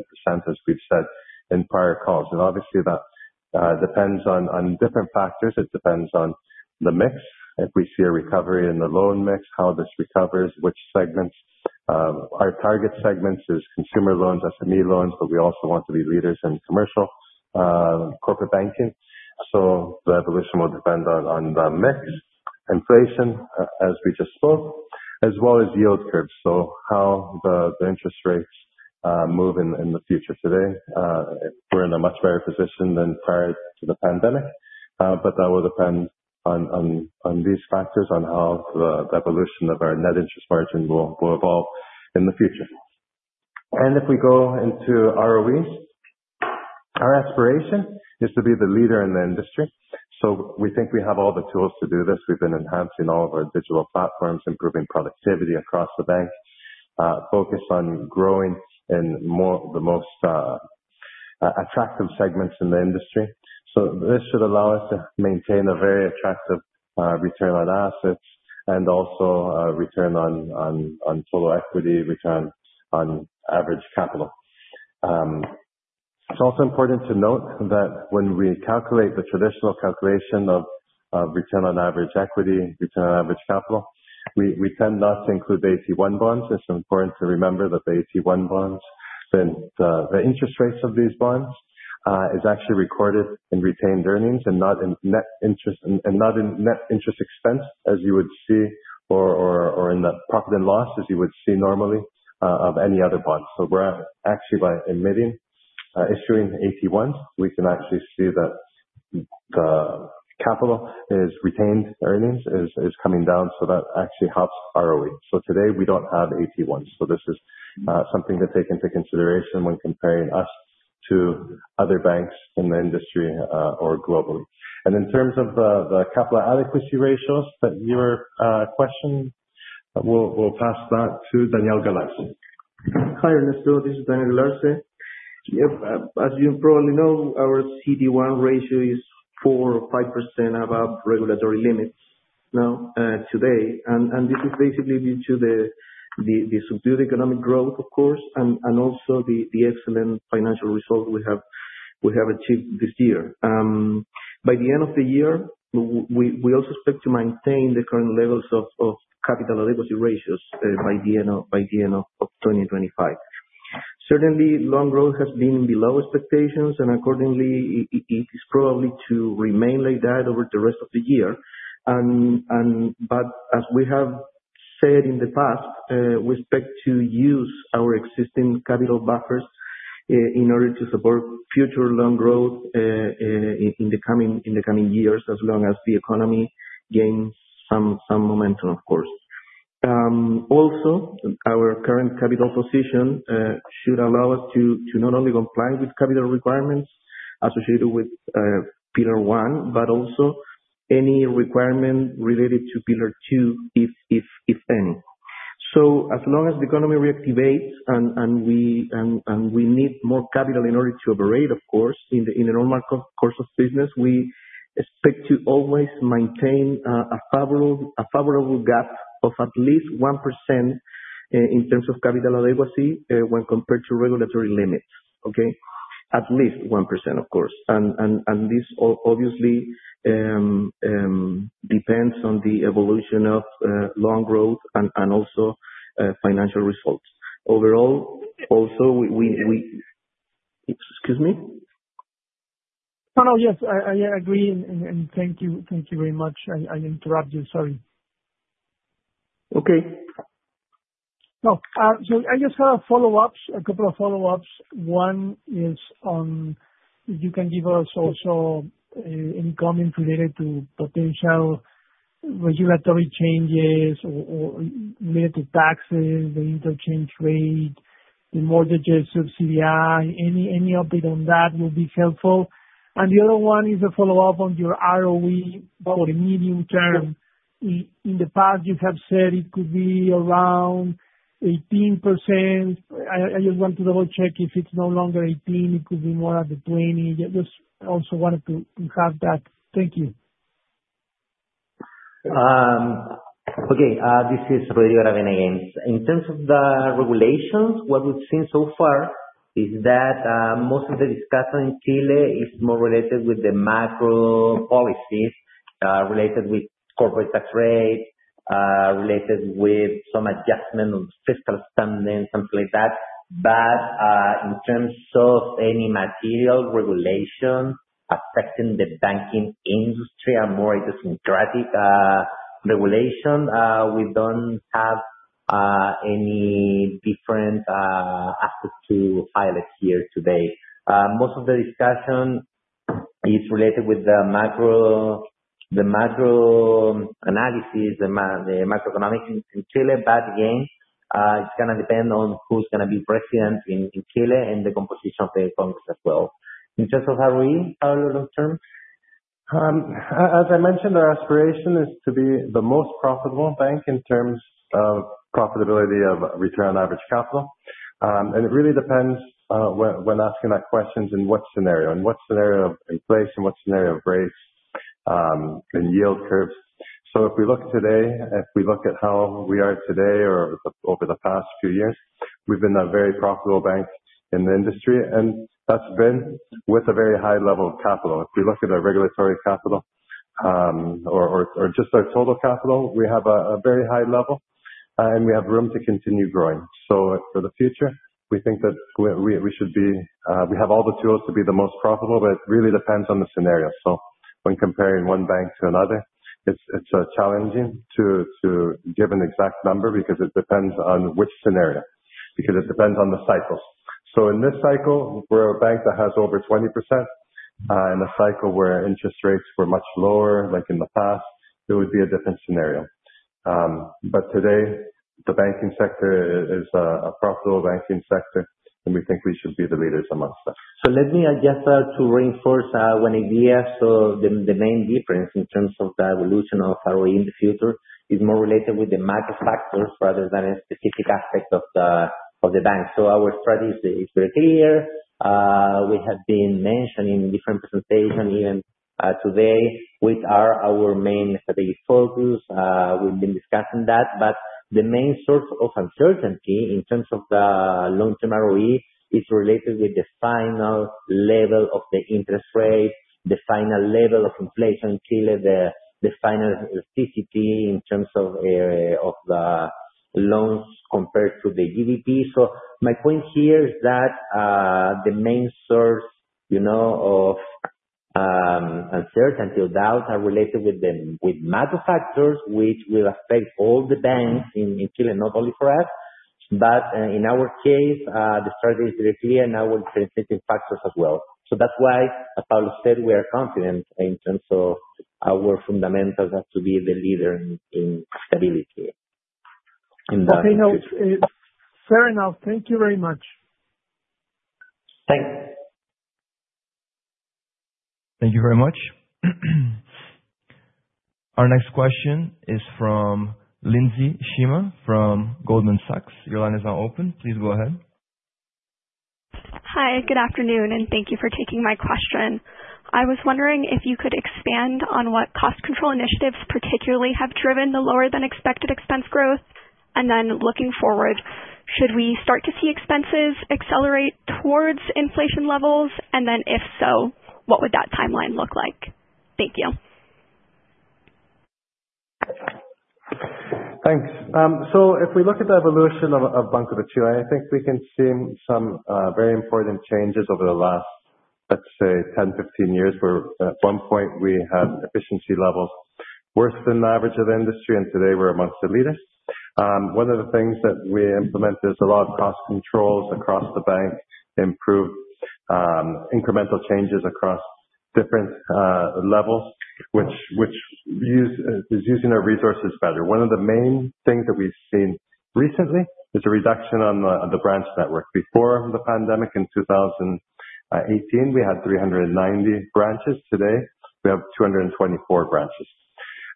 as we've said in prior calls. Obviously, that depends on different factors. It depends on the mix. If we see a recovery in the loan mix, how this recovers, which segments, our target segments are consumer loans, SME loans, but we also want to be leaders in commercial corporate banking. The evolution will depend on the mix, inflation, as we just spoke, as well as yield curves. How the interest rates move in the future, today we're in a much better position than prior to the pandemic. That will depend on these factors, on how the evolution of our net interest margin will evolve in the future. If we go into ROE, our aspiration is to be the leader in the industry. We think we have all the tools to do this. We've been enhancing all of our digital platforms, improving productivity across the bank, focused on growing in the most attractive segments in the industry. This should allow us to maintain a very attractive return on assets and also return on total equity, return on average capital. It's also important to note that when we calculate the traditional calculation of return on average equity, return on average capital, we tend not to include the AT1 bonds. It's important to remember that the AT1 bonds, the interest rates of these bonds, are actually recorded in retained earnings and not in net interest expense, as you would see, or in the profit and loss, as you would see normally of any other bond. By issuing AT1s, we can actually see that the capital is retained earnings is coming down. That actually helps ROE. Today, we don't have AT1s. This is something to take into consideration when comparing us to other banks in the industry or globally. In terms of the capital adequacy ratios that you were questioning, we'll pass that to Daniel Galarce. Hi, Ernesto. This is Daniel Galarce. As you probably know, our CET1 ratio is 4% or 5% above regulatory limits now today. This is basically due to the subdued economic growth, of course, and also the excellent financial results we have achieved this year. By the end of the year, we also expect to maintain the current levels of capital adequacy ratios by the end of 2025. Certainly, loan growth has been below expectations, and accordingly, it is probably to remain like that over the rest of the year. As we have said in the past, we expect to use our existing capital buffers in order to support future loan growth in the coming years, as long as the economy gains some momentum, of course. Also, our current capital position should allow us to not only comply with capital requirements associated with Pillar One, but also any requirement related to Pillar Two, if any. As long as the economy reactivates and we need more capital in order to operate, of course, in the normal course of business, we expect to always maintain a favorable gap of at least 1% in terms of capital adequacy when compared to regulatory limits. Okay, at least 1%, of course. This obviously depends on the evolution of loan growth and also financial results. Overall, also, we... Excuse me? Yes, I agree, and thank you. Thank you very much. I interrupted you. Sorry. Okay. I just have a follow-up, a couple of follow-ups. One is if you can give us also any comments related to potential regulatory changes or related to taxes, the interchange rate, the mortgage subsidy. Any update on that would be helpful. The other one is a follow-up on your ROE for the medium term. In the past, you have said it could be around 18%. I just want to double-check if it's no longer 18%. It could be more up to 20%. I just also wanted to have that. Thank you. Okay. This is Rodrigo Aravena. In terms of the regulations, what we've seen so far is that most of the discussion in Chile is more related with the macro policies, related with corporate tax rates, related with some adjustment on fiscal standards and things like that. In terms of any material regulation affecting the banking industry or more idiosyncratic regulation, we don't have any different aspects to highlight here today. Most of the discussion is related with the macro analysis, the macroeconomics in Chile. Again, it's going to depend on who's going to be president in Chile and the composition of the Congress as well. In terms of ROE, how long-term? As I mentioned, our aspiration is to be the most profitable bank in terms of profitability of return on average capital. It really depends when asking that question in what scenario, in what scenario of inflation, what scenario of rates, and yield curves. If we look today, if we look at how we are today or over the past two years, we've been a very profitable bank in the industry, and that's been with a very high level of capital. If we look at our regulatory capital or just our total capital, we have a very high level, and we have room to continue growing. For the future, we think that we should be, we have all the tools to be the most profitable, but it really depends on the scenario. When comparing one bank to another, it's challenging to give an exact number because it depends on which scenario, because it depends on the cycles. In this cycle, we're a bank that has over 20%. In a cycle where interest rates were much lower, like in the past, it would be a different scenario. Today, the banking sector is a profitable banking sector, and we think we should be the leaders amongst them. Let me reinforce what I saw, the main difference in terms of the evolution of ROE in the future is more related with the macro factors rather than a specific aspect of the bank. Our strategy is very clear. We have been mentioning in different presentations, even today, what are our main strategic focus. We've been discussing that. The main source of uncertainty in terms of the long-term ROE is related with the final level of the interest rate, the final level of inflation in Chile, the final loan-to-GDP ratio in terms of the loans compared to the GDP. My point here is that the main source of uncertainty or doubt is related with macro factors, which will affect all the banks in Chile, not only for us. In our case, the strategy is very clear and our specific factors as well. That's why, as Pablo said, we are confident in terms of our fundamentals have to be the leader in stability. Okay, no, it's fair enough. Thank you very much. Thanks. Thank you very much. Our next question is from Lindsey Shema from Goldman Sachs. Your line is now open. Please go ahead. Hi, good afternoon, and thank you for taking my question. I was wondering if you could expand on what cost control initiatives particularly have driven the lower-than-expected expense growth. Looking forward, should we start to see expenses accelerate towards inflation levels? If so, what would that timeline look like? Thank you. Thanks. If we look at the evolution of Banco de Chile, I think we can see some very important changes over the last, let's say, 10, 15 years, where at one point we had efficiency levels worse than the average of the industry, and today we're amongst the leaders. One of the things that we implemented is a lot of cost controls across the bank, improved incremental changes across different levels, which is using our resources better. One of the main things that we've seen recently is a reduction on the branch network. Before the pandemic in 2018, we had 390 branches. Today, we have 224 branches.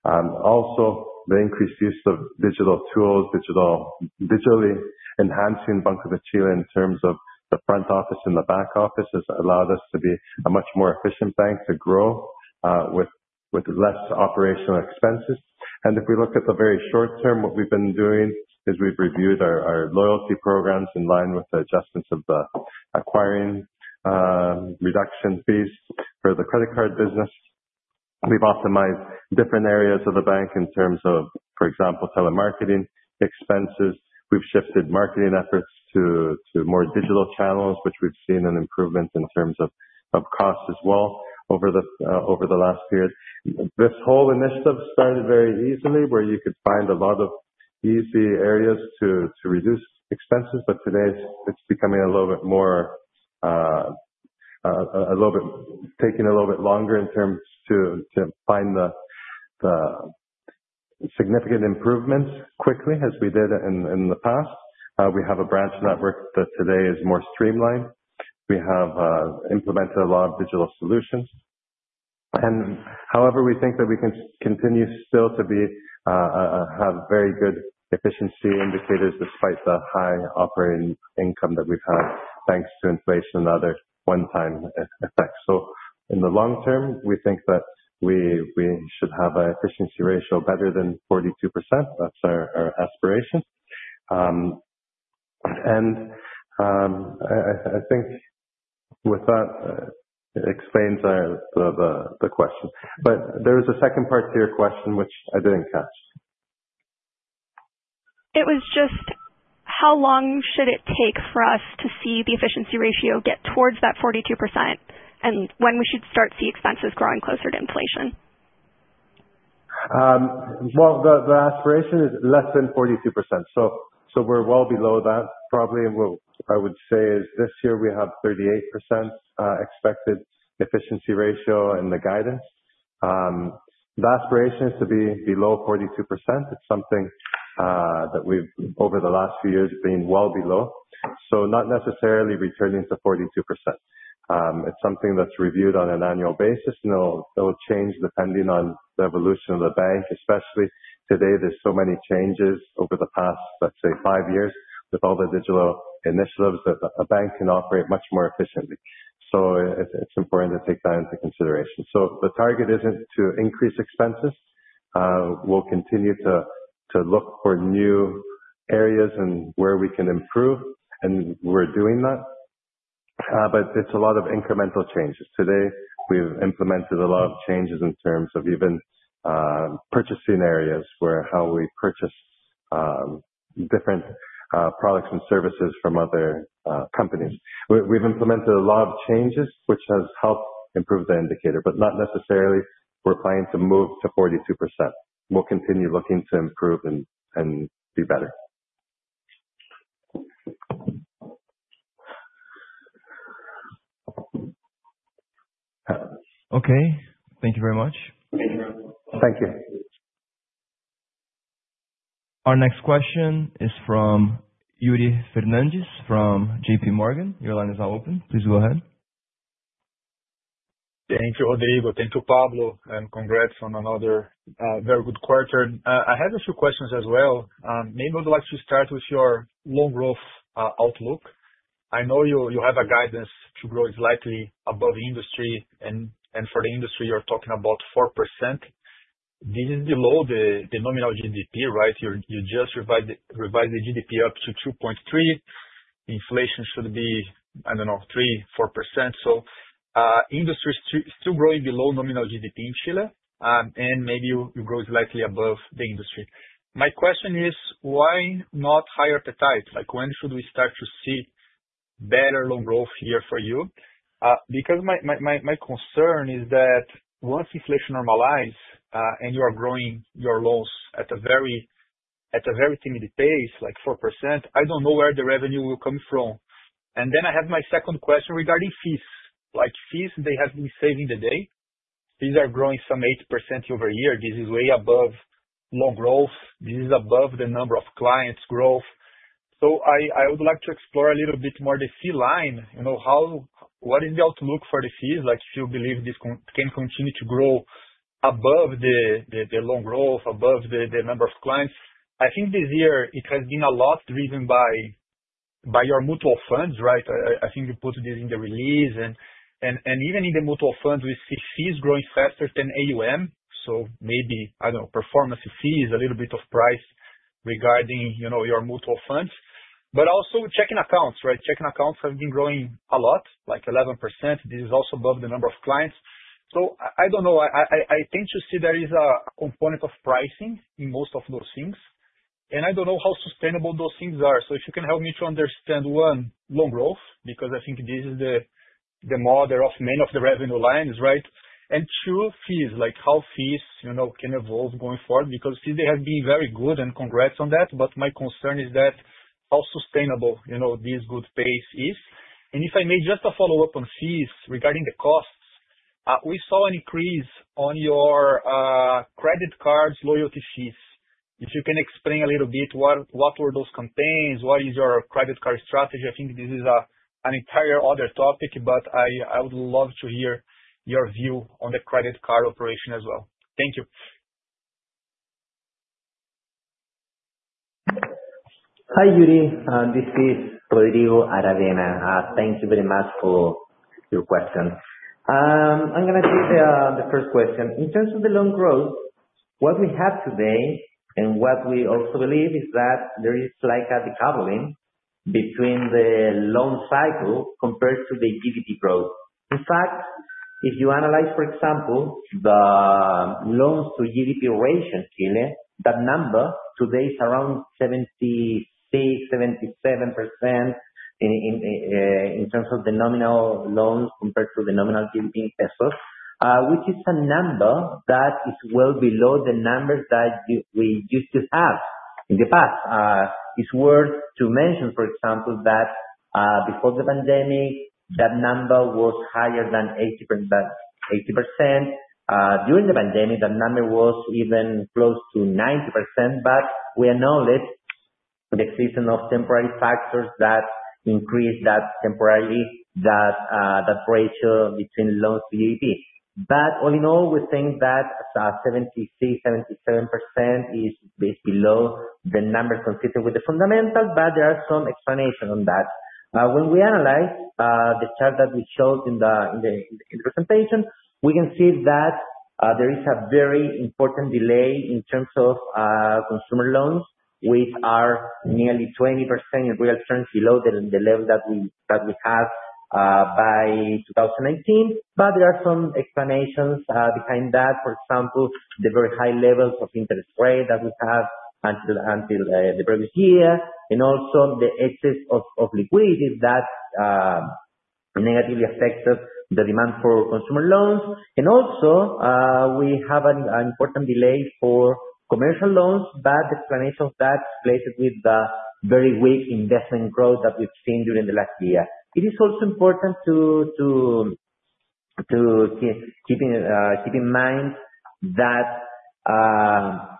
Also, the increased use of digital tools, digitally enhancing Banco de Chile in terms of the front office and the back office, has allowed us to be a much more efficient bank to grow with less operational expenses. If we look at the very short term, what we've been doing is we've reviewed our loyalty programs in line with the adjustments of the acquiring reduction fees for the credit card business. We've optimized different areas of the bank in terms of, for example, telemarketing expenses. We've shifted marketing efforts to more digital channels, which we've seen an improvement in terms of costs as well over the last year. This whole initiative started very easily, where you could find a lot of easy areas to reduce expenses. Today, it's becoming a little bit more, a little bit taking a little bit longer in terms to find the significant improvements quickly, as we did in the past. We have a branch network that today is more streamlined. We have implemented a lot of digital solutions. However, we think that we can continue still to have very good efficiency indicators despite the high operating income that we've had, thanks to inflation and other one-time effects. In the long term, we think that we should have an efficiency ratio better than 42%. That's our aspiration. I think with that, it explains the question. There was a second part to your question, which I didn't catch. How long should it take for us to see the efficiency ratio get towards that 42%? When should we start to see expenses growing closer to inflation? The aspiration is less than 42%. We're well below that. I would say this year we have a 38% expected efficiency ratio in the guidance. The aspiration is to be below 42%. It's something that we've, over the last few years, been well below. Not necessarily returning to 42%. It's something that's reviewed on an annual basis, and it'll change depending on the evolution of the bank. Especially today, there are so many changes over the past, let's say, five years, with all the digital initiatives that a bank can operate much more efficiently. It's important to take that into consideration. The target isn't to increase expenses. We'll continue to look for new areas and where we can improve, and we're doing that. It's a lot of incremental changes. Today, we've implemented a lot of changes in terms of even purchasing areas, where how we purchase different products and services from other companies. We've implemented a lot of changes, which has helped improve the indicator, but not necessarily we're planning to move to 42%. We'll continue looking to improve and be better. Okay, thank you very much. Thank you. Our next question is from Yuri Fernandes from JPMorgan. Your line is now open. Please go ahead. Thank you, Rodrigo. Thank you, Pablo, and congrats on another very good quarter. I have a few questions as well. Maybe I'd like to start with your loan growth outlook. I know you have a guidance to grow slightly above industry, and for the industry, you're talking about 4%. This is below the nominal GDP, right? You just revised the GDP up to 2.3%. Inflation should be, I don't know, 3%, 4%. Industry is still growing below nominal GDP in Chile, and maybe you grow slightly above the industry. My question is, why not higher appetite? When should we start to see better loan growth here for you? My concern is that once inflation normalizes and you are growing your loans at a very timid pace, like 4%, I don't know where the revenue will come from. I have my second question regarding fees. Fees have been saving the day. Fees are growing some 8% year-over-year. This is way above loan growth. This is above the number of clients growth. I would like to explore a little bit more the fee line. What is the outlook for the fees? Do you believe this can continue to grow above the loan growth, above the number of clients? I think this year it has been a lot driven by your mutual funds, right? I think you put this in the release, and even in the mutual funds, we see fees growing faster than AUM. Maybe, I don't know, performance of fees, a little bit of price regarding your mutual funds. Also checking accounts, right? Checking accounts have been growing a lot, like 11%. This is also above the number of clients. I think you see there is a component of pricing in most of those things, and I don't know how sustainable those things are. If you can help me to understand, one, loan growth, because I think this is the mother of many of the revenue lines, right? Two, fees, like how fees can evolve going forward, because fees have been very good, and congrats on that. My concern is how sustainable this good pace is. If I may just follow up on fees regarding the costs, we saw an increase on your credit cards loyalty fees. If you can explain a little bit what were those campaigns, what is your credit card strategy, I think this is an entire other topic, but I would love to hear your view on the credit card operation as well. Thank you. Hi, Yuri. This is Rodrigo Aravena. Thank you very much for your question. I'm going to take the first question. In terms of the loan growth, what we have today and what we also believe is that there is like a decoupling between the loan cycle compared to the GDP growth. In fact, if you analyze, for example, the loan-to-GDP ratio in Chile, that number today is around 76%, 77% in terms of the nominal loans compared to the nominal GDP in pesos, which is a number that is well below the numbers that we used to have in the past. It's worth to mention, for example, that before the pandemic, that number was higher than 80%. During the pandemic, that number was even close to 90%, but we acknowledge the existence of temporary factors that increased that temporarily, that ratio between loans to GDP. All in all, we think that 76%, 77% is basically below the numbers consistent with the fundamental, but there is some explanation on that. When we analyze the chart that we showed in the presentation, we can see that there is a very important delay in terms of consumer loans, which are nearly 20% in real terms below the level that we had by 2019. There are some explanations behind that, for example, the very high levels of interest rate that we had until the previous year, and also the excess of liquidity that negatively affected the demand for consumer loans. We have an important delay for commercial loans, but the explanation of that plays with the very weak investment growth that we've seen during the last year. It is also important to keep in mind that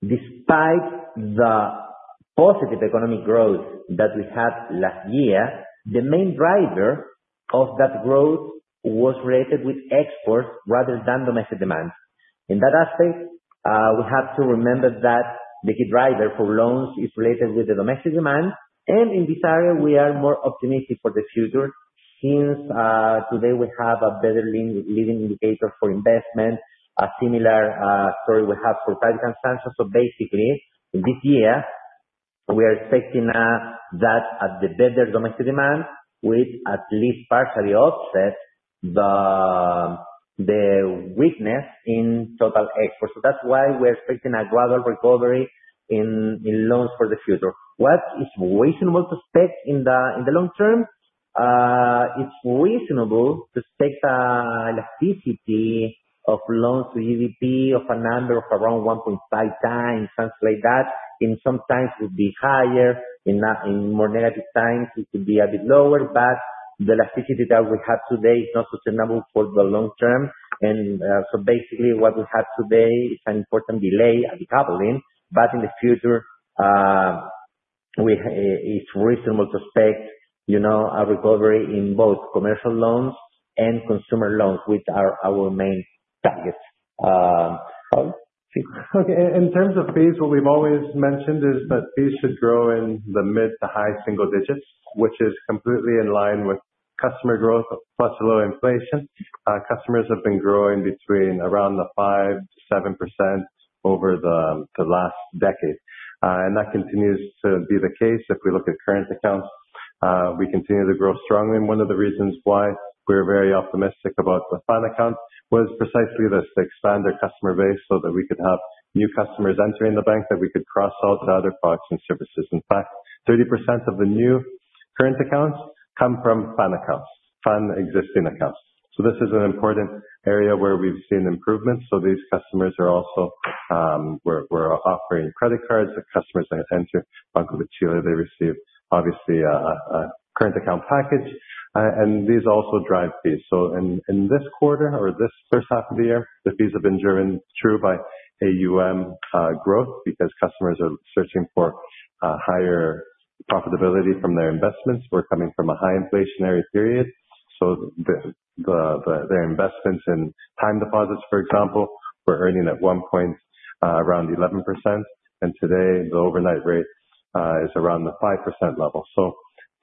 despite the positive economic growth that we had last year, the main driver of that growth was related with exports rather than domestic demand. In that aspect, we have to remember that the key driver for loans is related with the domestic demand. In this area, we are more optimistic for the future since today we have a better leading indicator for investment, a similar story we have for tax expansion. Basically, in this year, we are expecting that the better domestic demand will at least partially offset the weakness in total exports. That's why. A global recovery in loans for the future. What is reasonable to expect in the long term? It's reasonable to expect the elasticity of loans to GDP of a number of around 1.5x, something like that. In some times, it would be higher. In more negative times, it could be a bit lower, but the elasticity that we have today is not sustainable for the long term. Basically, what we have today is an important delay in recovering. In the future, it's reasonable to expect a recovery in both commercial loans and consumer loans, which are our main targets. Okay. In terms of fees, what we've always mentioned is that fees should grow in the mid to high single digits, which is completely in line with customer growth, much lower inflation. Customers have been growing between around the 5%-7% over the last decade. That continues to be the case if we look at current accounts. We continue to grow strongly. One of the reasons why we're very optimistic about the plan account was precisely this, to expand our customer base so that we could have new customers entering the bank that we could cross-sell the other products and services. In fact, 30% of the new current accounts come from plan accounts, plan existing accounts. This is an important area where we've seen improvements. These customers are also, we're offering credit cards to customers that enter Banco de Chile, they receive, obviously, a current account package. These also drive fees. In this quarter or this first half of the year, the fees have been driven through by AUM growth because customers are searching for a higher profitability from their investments. We're coming from a high inflationary period. Their investments in time deposits, for example, were earning at one point around 11%. Today, the overnight rate is around the 5% level.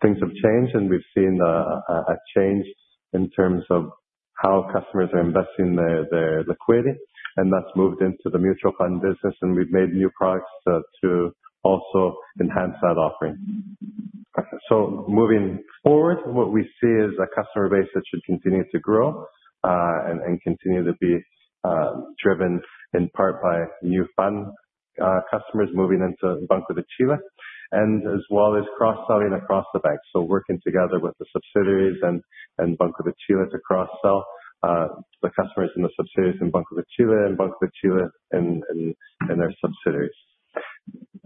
Things have changed and we've seen a change in terms of how customers are investing their liquidity. That's moved into the mutual fund business. We've made new products to also enhance that offering. Moving forward, what we see is a customer base that should continue to grow, and continue to be driven in part by new fund customers moving into Banco de Chile, as well as cross-selling across the bank. Working together with the subsidiaries and Banco de Chile to cross-sell, the customers and the subsidiaries in Banco de Chile and Banco de Chile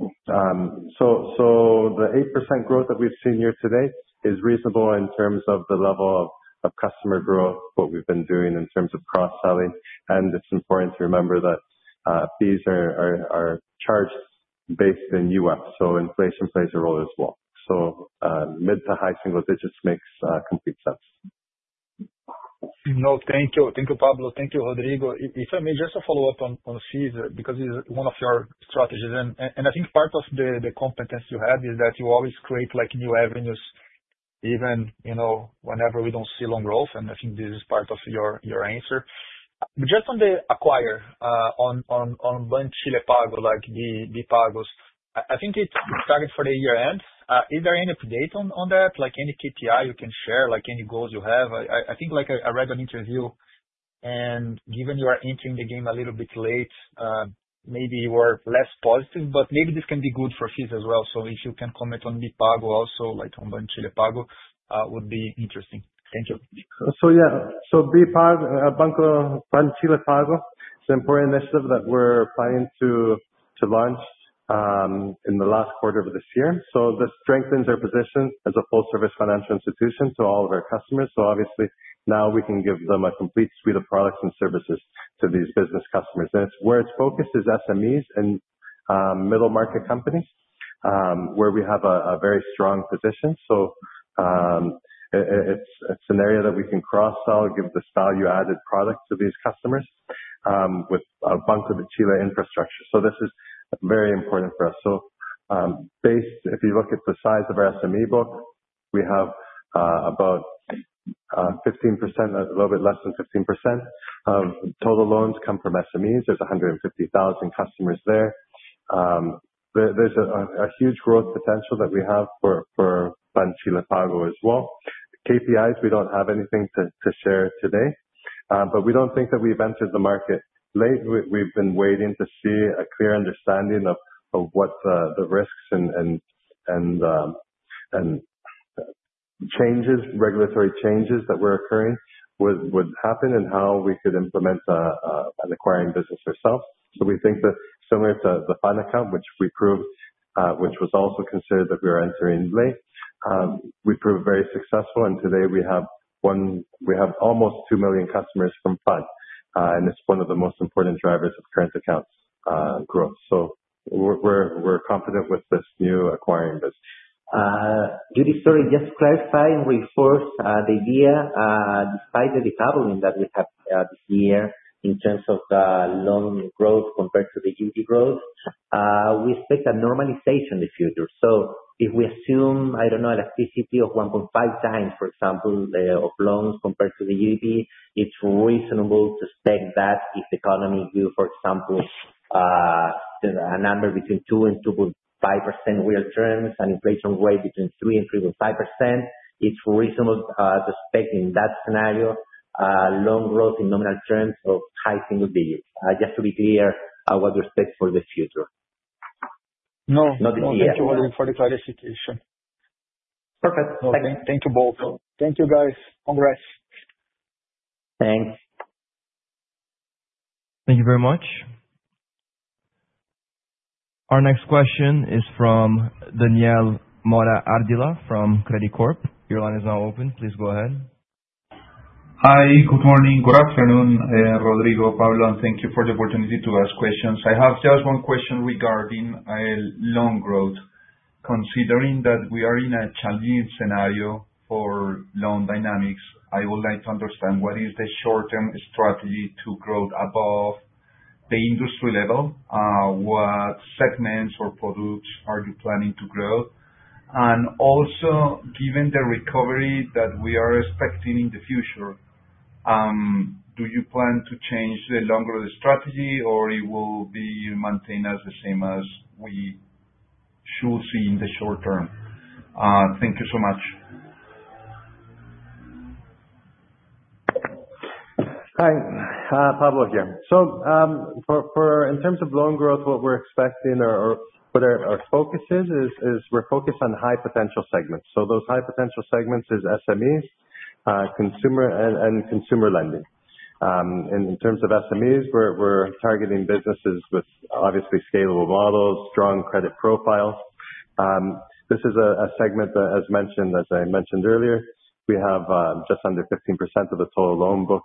and their subsidiaries. The 8% growth that we've seen here today is reasonable in terms of the level of customer growth, what we've been doing in terms of cross-selling. It's important to remember that fees are charged based in the U.S. So inflation plays a role as well. Mid to high single digits makes complete sense. No, thank you. Thank you, Pablo. Thank you, Rodrigo. If I may just follow up on fees because it's one of your strategies. I think part of the competence you have is that you always create new avenues, even whenever we don't see loan growth. I think this is part of your answer. Just on the acquire, on Banco de Chile Pago, like the pagos, I think it started for the year-end. Is there any update on that? Any KPI you can share, like any goals you have? I think I read an interview and given you are entering the game a little bit late, maybe you are less positive, but maybe this can be good for fees as well. If you can comment on B Pago also, like on Banco de Chile Pago, it would be interesting. Thank you. Banco de Chile Pago is an important initiative that we're planning to launch in the last quarter of this year. This strengthens our position as a full-service financial institution to all of our customers. Obviously, now we can give them a complete suite of products and services to these business customers. It's focused on SMEs and middle market companies, where we have a very strong position. It's an area that we can cross-sell, give this value-added product to these customers with our Banco de Chile infrastructure. This is very important for us. If you look at the size of our SME book, we have about 15%, a little bit less than 15% of total loans come from SMEs. There are 150,000 customers there. There's a huge growth potential that we have for Banco de Chile Pago as well. KPIs, we don't have anything to share today, but we don't think that we've entered the market late. We've been waiting to see a clear understanding of what the risks and regulatory changes that were occurring would happen and how we could implement an acquiring business for ourselves. We think that similar to the fund account, which was also considered that we were entering late, we proved very successful. Today we have almost 2 million customers from fund, and it's one of the most important drivers of current accounts growth. We're confident with this new acquiring business. Yuri, sorry, just clarifying before the year, despite the decoupling that we have this year in terms of the loan growth compared to the GDP growth, we expect a normalization in the future. If we assume, I don't know, an elasticity of 1.5x, for example, of loans compared to the GDP, it's reasonable to expect that if the economy grew, for example, to a number between 2% and 2.5% in real terms and inflation rate between 3% and 3.5%, it's reasonable to expect in that scenario, loan growth in nominal terms of high single digits. Just to be clear, what do you expect for the future? No, thank you, Rodrigo, for the clarification. Okay. Thank you both. Thank you, guys. Congrats. Thanks. Thank you very much. Our next question is from Daniel Mora Ardila from Credicorp. Your line is now open. Please go ahead. Hi. Good morning. Good afternoon, Rodrigo, Pablo, and thank you for the opportunity to ask questions. I have just one question regarding loan growth. Considering that we are in a challenging scenario for loan dynamics, I would like to understand what is the short-term strategy to grow above the industry level? What segments or products are you planning to grow? Also, given the recovery that we are expecting in the future, do you plan to change the longer strategy or will it be maintained as the same as we should see in the short term? Thank you so much. Hi, Pablo again. In terms of loan growth, what we're expecting or what our focus is, we're focused on high potential segments. Those high potential segments are SMEs, consumer, and consumer lending. In terms of SMEs, we're targeting businesses with obviously scalable models, strong credit profiles. This is a segment that, as I mentioned earlier, we have just under 15% of the total loan book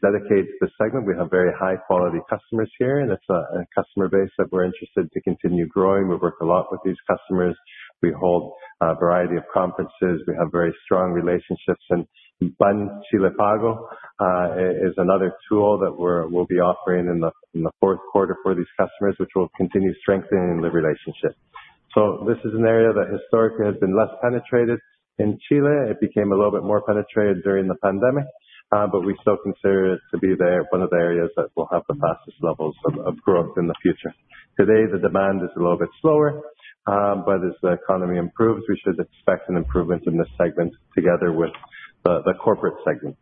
dedicated to this segment. We have very high-quality customers here, and it's a customer base that we're interested to continue growing. We work a lot with these customers. We hold a variety of conferences. We have very strong relationships. Banco de Chile Pago is another tool that we'll be offering in the fourth quarter for these customers, which will continue strengthening the relationship. This is an area that historically has been less penetrated in Chile. It became a little bit more penetrated during the pandemic, but we still consider it to be one of the areas that will have the fastest levels of growth in the future. Today, the demand is a little bit slower, but as the economy improves, we should expect an improvement in this segment together with the corporate segment.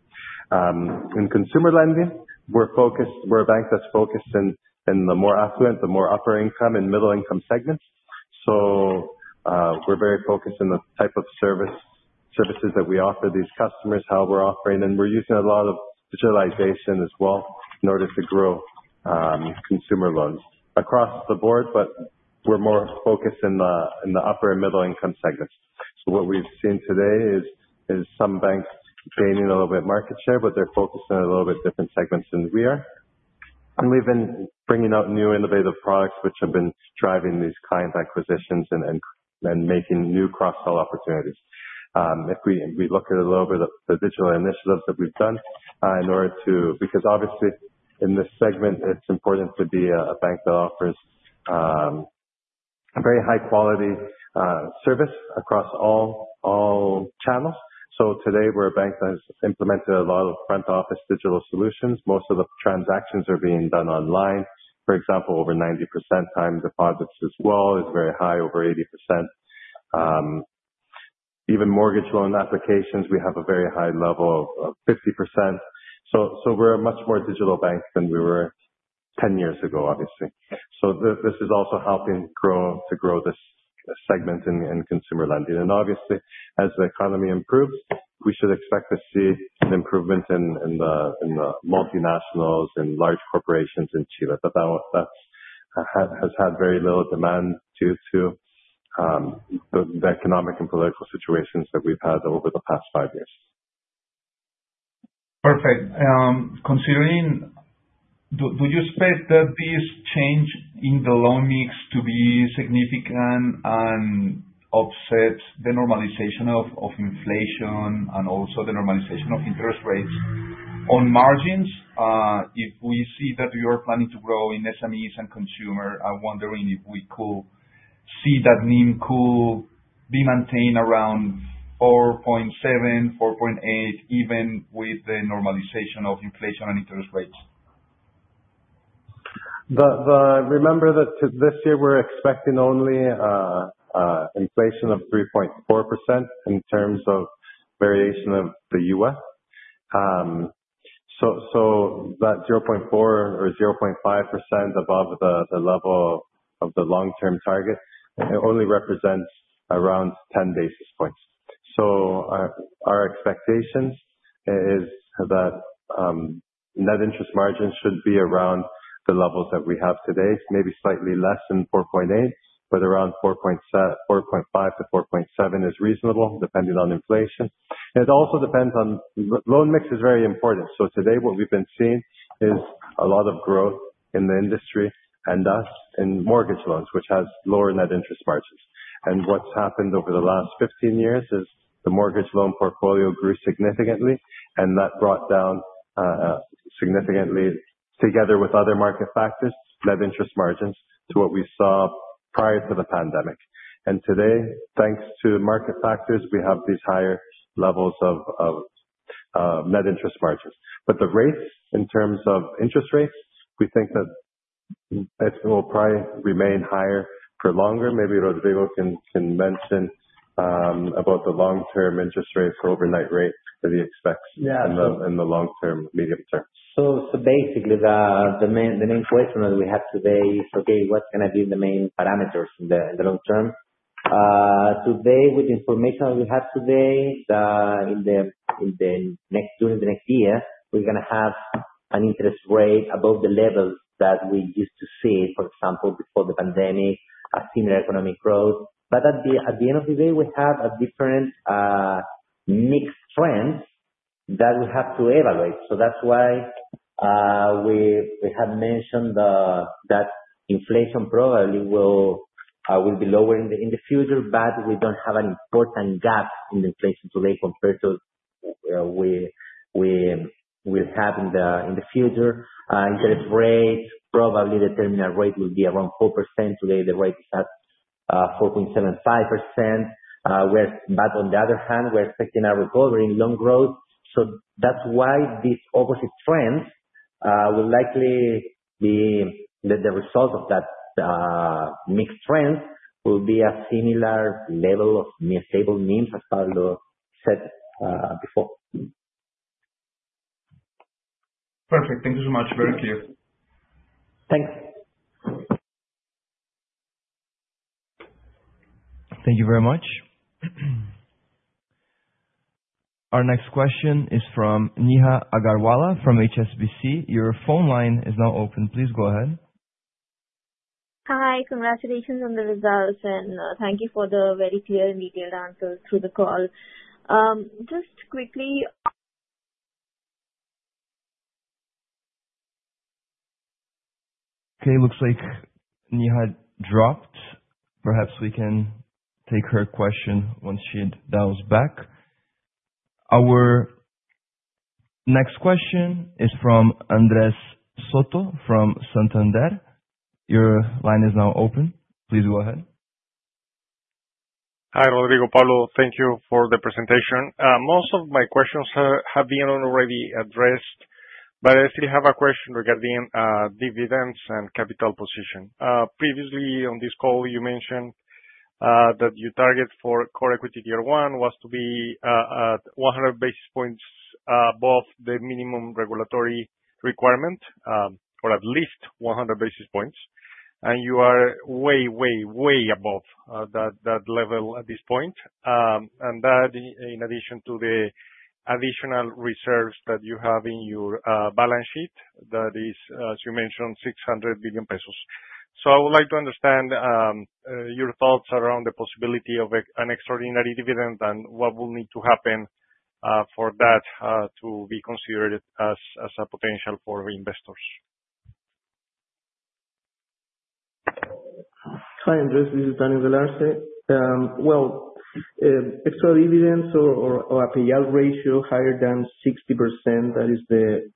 In consumer lending, we're a bank that's focused in the more affluent, the more upper income and middle income segments. We're very focused on the type of services that we offer these customers, how we're offering, and we're using a lot of digitalization as well in order to grow consumer loans across the board. We're more focused in the upper and middle income segments. What we've seen today is some banks gaining a little bit of market share, but they're focused on a little bit different segments than we are. We've been bringing out new innovative products which have been driving these client acquisitions and making new cross-sell opportunities. If we look at a little bit of the digital initiatives that we've done, because obviously in this segment, it's important to be a bank that offers a very high-quality service across all channels. Today, we're a bank that has implemented a lot of front office digital solutions. Most of the transactions are being done online. For example, over 90% time deposits as well is very high, over 80%. Even mortgage loan applications, we have a very high level of 50%. We're a much more digital bank than we were 10 years ago, obviously. This is also helping to grow this segment in consumer lending. Obviously, as the economy improves, we should expect to see an improvement in the multinationals and large corporations in Chile. That has had very little demand due to the economic and political situations that we've had over the past five years. Perfect. Considering, do you expect that this change in the loan mix to be significant and offset the normalization of inflation and also the normalization of interest rates on margins? If we see that we are planning to grow in SMEs and consumer, I'm wondering if we could see that NIM could be maintained around 4.7%, 4.8%, even with the normalization of inflation and interest rates. Remember that this year we're expecting only an inflation of 3.4% in terms of variation of the U.S. So that 0.4% or 0.5% above the level of the long-term targets only represents around 10 basis points. Our expectations is that net interest margins should be around the levels that we have today, maybe slightly less than 4.8%, but around 4.5%-4.7% is reasonable depending on inflation. It also depends on loan mix, which is very important. Today what we've been seeing is a lot of growth in the industry and us in mortgage loans, which has lower net interest margins. What's happened over the last 15 years is the mortgage loan portfolio grew significantly and that brought down significantly, together with other market factors, net interest margins to what we saw prior to the pandemic. Today, thanks to market factors, we have these higher levels of net interest margins. The rates in terms of interest rates, we think that it will probably remain higher for longer. Maybe Rodrigo can mention about the long-term interest rate for overnight rate that he expects in the long term, medium term. Basically, the main question that we have today is, okay, what can I do in the main parameters in the long term? Today, with the information that we have today, in the next year, we're going to have an interest rate above the level that we used to see, for example, before the pandemic, a similar economic growth. At the end of the day, we have a different mixed trend that we have to evaluate. That's why we have mentioned that inflation probably will be lower in the future, but we don't have an important gap in the inflation today compared to what we have in the future. Interest rates, probably the terminal rate will be around 4%. Today, the rate is at 4.75%. On the other hand, we're expecting a recovery in loan growth. That's why this opposite trend will likely be the result of that mixed trend and will be a similar level of stable NIM as Pablo Mejia said before. Perfect. Thank you so much. Very clear. Thanks. Thank you very much. Our next question is from Neha Agarwala from HSBC. Your phone line is now open. Please go ahead. Hi. Congratulations on the results, and thank you for the very clear and detailed answers to the call. Just quickly. Okay. Looks like Neha dropped. Perhaps we can take her question once she dials back. Our next question is from Andres Soto from Santander Investment Securities Inc. Your line is now open. Please go ahead. Hi, Rodrigo, Pablo. Thank you for the presentation. Most of my questions have been already addressed, but I still have a question regarding dividends and capital position. Previously on this call, you mentioned that your target for common equity tier one was to be at 100 basis points above the minimum regulatory requirement or at least 100 basis points. You are way, way, way above that level at this point. In addition to the additional reserves that you have in your balance sheet that is, as you mentioned, 600 billion pesos. I would like to understand your thoughts around the possibility of an extraordinary dividend and what will need to happen for that to be considered as a potential for investors. Hi, Andres. This is Daniel Galarce. Extra dividends or a payout ratio higher than 60%, that is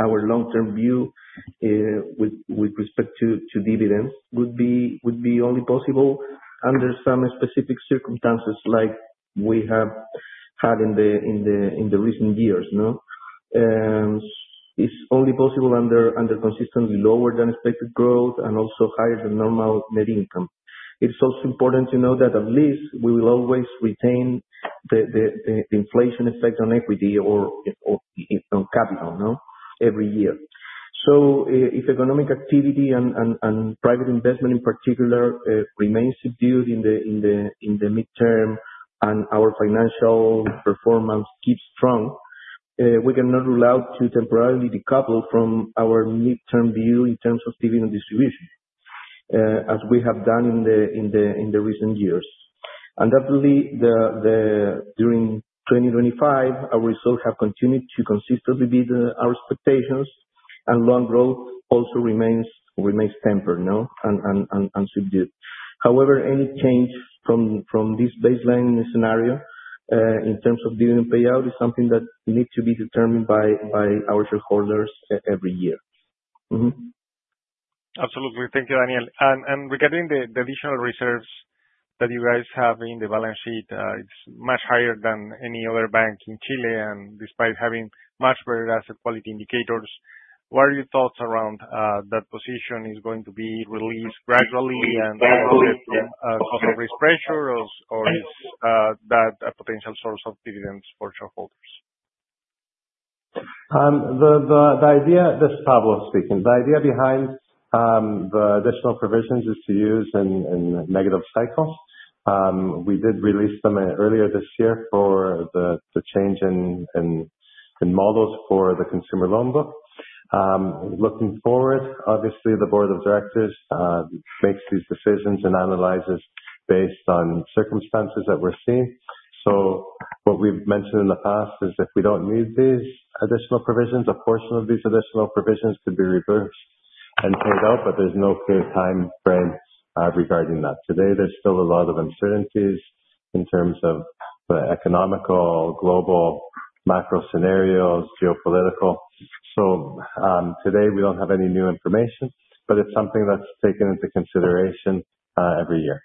our long-term view with respect to dividends, would be only possible under some specific circumstances like we have had in the recent years. It is only possible under consistently lower than expected growth and also higher than normal net income. It is also important to know that at least we will always retain the inflation effect on equity or on cap now, no, every year. If economic activity and private investment in particular remains subdued in the midterm and our financial performance keeps strong, we cannot rule out to temporarily decouple from our midterm view in terms of dividend distribution as we have done in the recent years. During 2025, our results have continued to consistently beat our expectations and loan growth also remains tempered, no, and subdued. However, any change from this baseline scenario in terms of dividend payout is something that needs to be determined by our shareholders every year. Absolutely. Thank you, Daniel. Regarding the additional reserves that you guys have in the balance sheet, it's much higher than any other bank in Chile. Despite having much better asset quality indicators, what are your thoughts around that position? Is it going to be released gradually and off of risk pressure, or is that a potential source of dividends for shareholders? The idea. This is Pablo speaking. The idea behind the additional provisions is to use in negative cycles. We did release them earlier this year for the change in models for the consumer loan book. Looking forward, obviously, the Board of Directors makes these decisions and analyzes based on circumstances that we're seeing. What we've mentioned in the past is if we don't need these additional provisions, a portion of these additional provisions could be reversed and paid out, but there's no clear time frame regarding that. Today, there's still a lot of uncertainties in terms of the economical, global macro scenarios, geopolitical. Today, we don't have any new information, but it's something that's taken into consideration every year.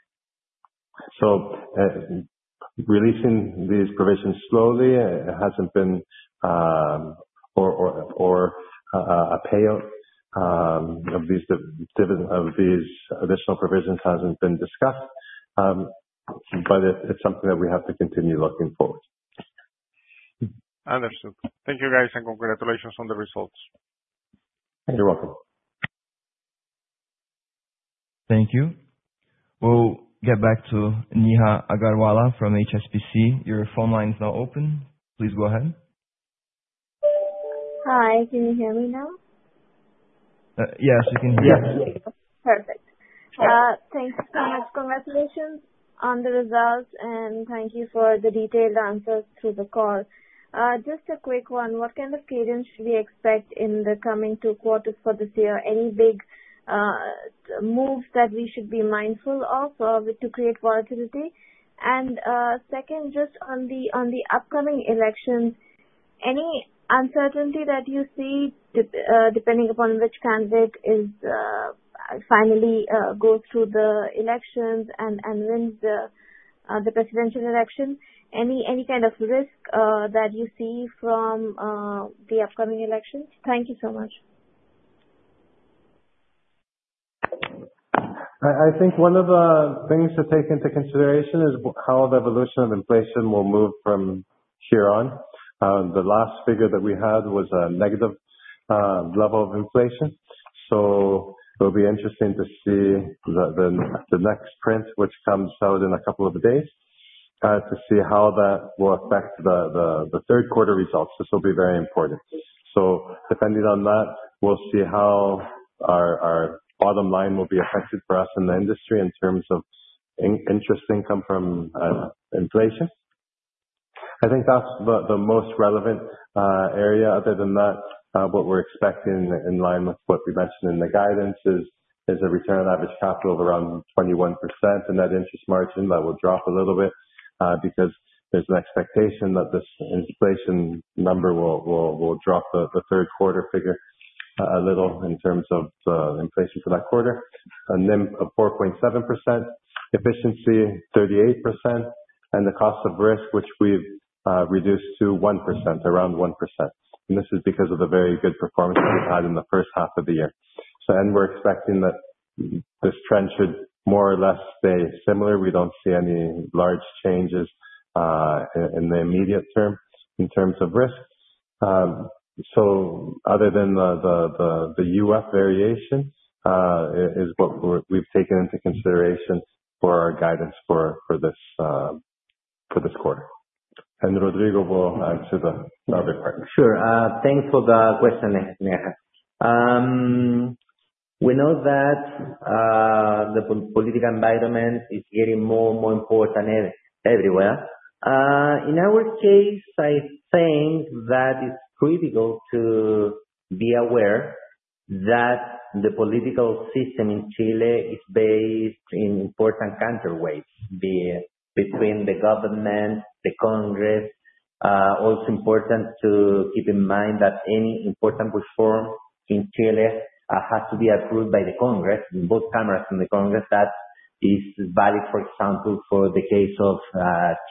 Releasing these provisions slowly hasn't been or a payout of these additional provisions hasn't been discussed, but it's something that we have to continue looking forward. Understood. Thank you, guys, and congratulations on the results. You're welcome. Thank you. We'll get back to Neha Agarwala from HSBC. Your phone line is now open. Please go ahead. Hi, can you hear me now? Yes, we can hear you. Yes. Perfect. Thanks so much. Congratulations on the results and thank you for the detailed answers to the call. Just a quick one. What kind of cadence should we expect in the coming two quarters for this year? Any big moves that we should be mindful of to create volatility? Second, just on the upcoming election, any uncertainty that you see, depending upon which candidate finally goes through the elections and wins the presidential election? Any kind of risk that you see from the upcoming elections? Thank you so much. I think one of the things to take into consideration is how the evolution of inflation will move from here on. The last figure that we had was a negative level of inflation. It'll be interesting to see the next print, which comes out in a couple of days, to see how that will affect the third quarter results. This will be very important. Depending on that, we'll see how our bottom line will be affected for us in the industry in terms of interest income from inflation. I think that's the most relevant area. Other than that, what we're expecting in line with what we mentioned in the guidance is a return on average capital of around 21%. That interest margin will drop a little bit, because there's an expectation that this inflation number will drop the third quarter figure a little in terms of inflation for that quarter. A NIM of 4.7%, efficiency 38%, and the cost of risk, which we've reduced to 1%, around 1%. This is because of the very good performance that we've had in the first half of the year, and we're expecting that this trend should more or less stay similar. We don't see any large changes in the immediate term in terms of risk. Other than the U.S. variation, this is what we've taken into consideration for our guidance for this quarter. Rodrigo will answer our partner. Sure. Thanks for the question, Neha. We know that the political environment is getting more and more important everywhere. In our case, I think that it's critical to be aware that the political system in Chile is based in important counterweights between the government and the Congress. Also important to keep in mind that any important reform in Chile has to be approved by the Congress, both chambers in the Congress. That is valid, for example, for the case of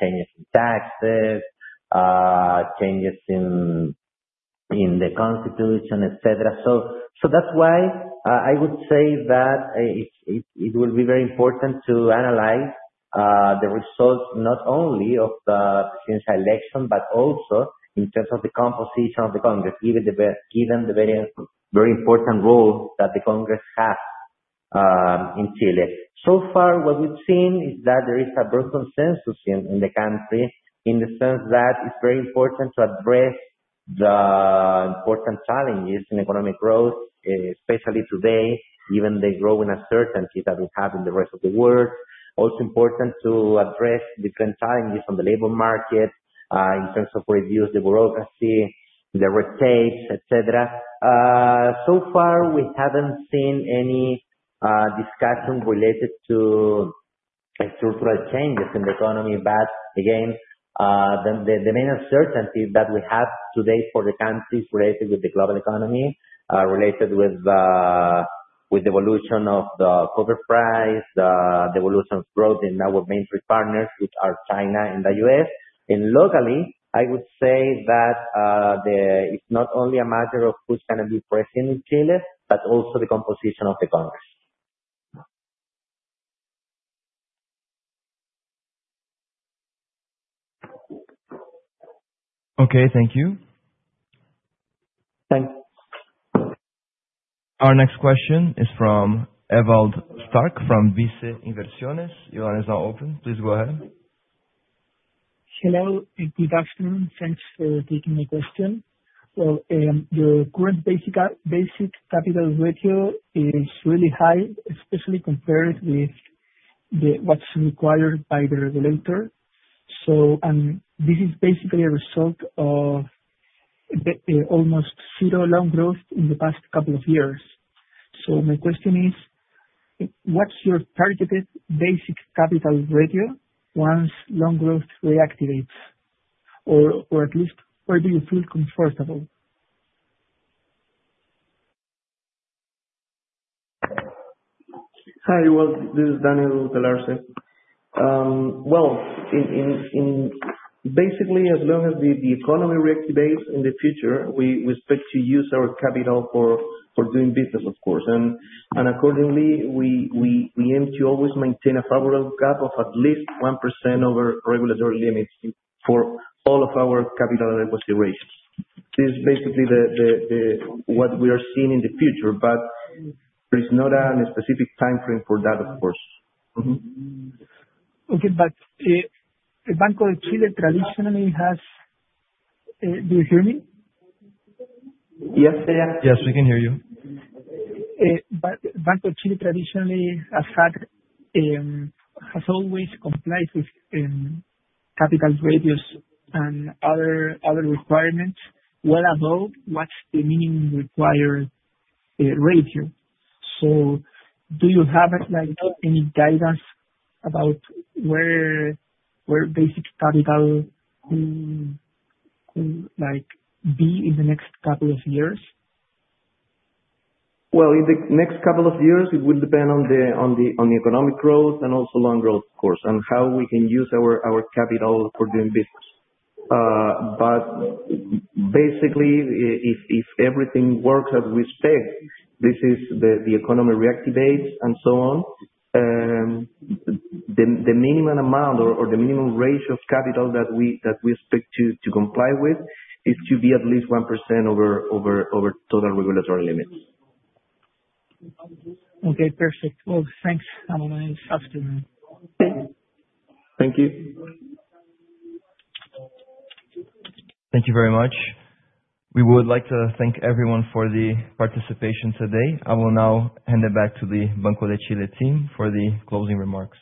changes in taxes, changes in the Constitution, etc. That's why I would say that it will be very important to analyze the results not only of the next election, but also in terms of the composition of the Congress, given the very, very important role that the Congress has in Chile. So far, what we've seen is that there is a broad consensus in the country in the sense that it's very important to address the important challenges in economic growth, especially today, given the growing uncertainty that we have in the rest of the world. Also important to address different challenges on the labor market, in terms of reducing the bureaucracy, the red tapes, etc. So far, we haven't seen any discussion related to structural changes in the economy. Again, the main uncertainty that we have today for the country is related with the global economy, related with the evolution of the copper price, the evolution of growth in our main three partners, which are China and the U.S. Locally, I would say that it's not only a matter of who's going to be president in Chile, but also the composition of the economy. Okay. Thank you. Our next question is from Ewald Stark from BICE Inversiones. Your line is now open. Please go ahead. Hello. Good afternoon. Thanks for taking the question. Your current basic capital ratio is really high, especially compared with what's required by the regulator. This is basically a result of almost zero loan growth in the past couple of years. My question is, what's your targeted basic capital ratio once loan growth reactivates? At least, where do you feel comfortable? Hi. This is Daniel Galarce. Basically, as long as the economy reactivates in the future, we expect to use our capital for doing business, of course. Accordingly, we aim to always maintain a power of gap of at least 1% over regulatory limits for all of our capital equity rates. This is basically what we are seeing in the future, but there is not a specific timeframe for that, of course. Okay. Banco de Chile traditionally has—do you hear me? Yes, sir. Yes, we can hear you. Banco de Chile traditionally has had, has always complied with capital ratios and other requirements well above what's the minimum required ratio. Do you have any guidance about where basic capital will be in the next couple of years? In the next couple of years, it will depend on the economic growth and also loan growth, of course, and how we can use our capital for doing business. Basically, if everything works as we expect, if the economy reactivates and so on, the minimum amount or the minimum ratio of capital that we expect to comply with is to be at least 1% over total regulatory limits. Okay. Perfect. Thanks, and a nice afternoon. Thank you. Thank you very much. We would like to thank everyone for the participation today. I will now hand it back to the Banco de Chile team for the closing remarks.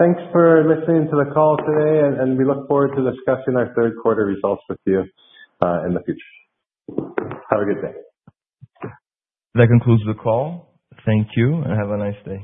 Thank you for listening to the call today, and we look forward to discussing our third quarter results with you in the future. Have a good day. Sure. That concludes the call. Thank you and have a nice day.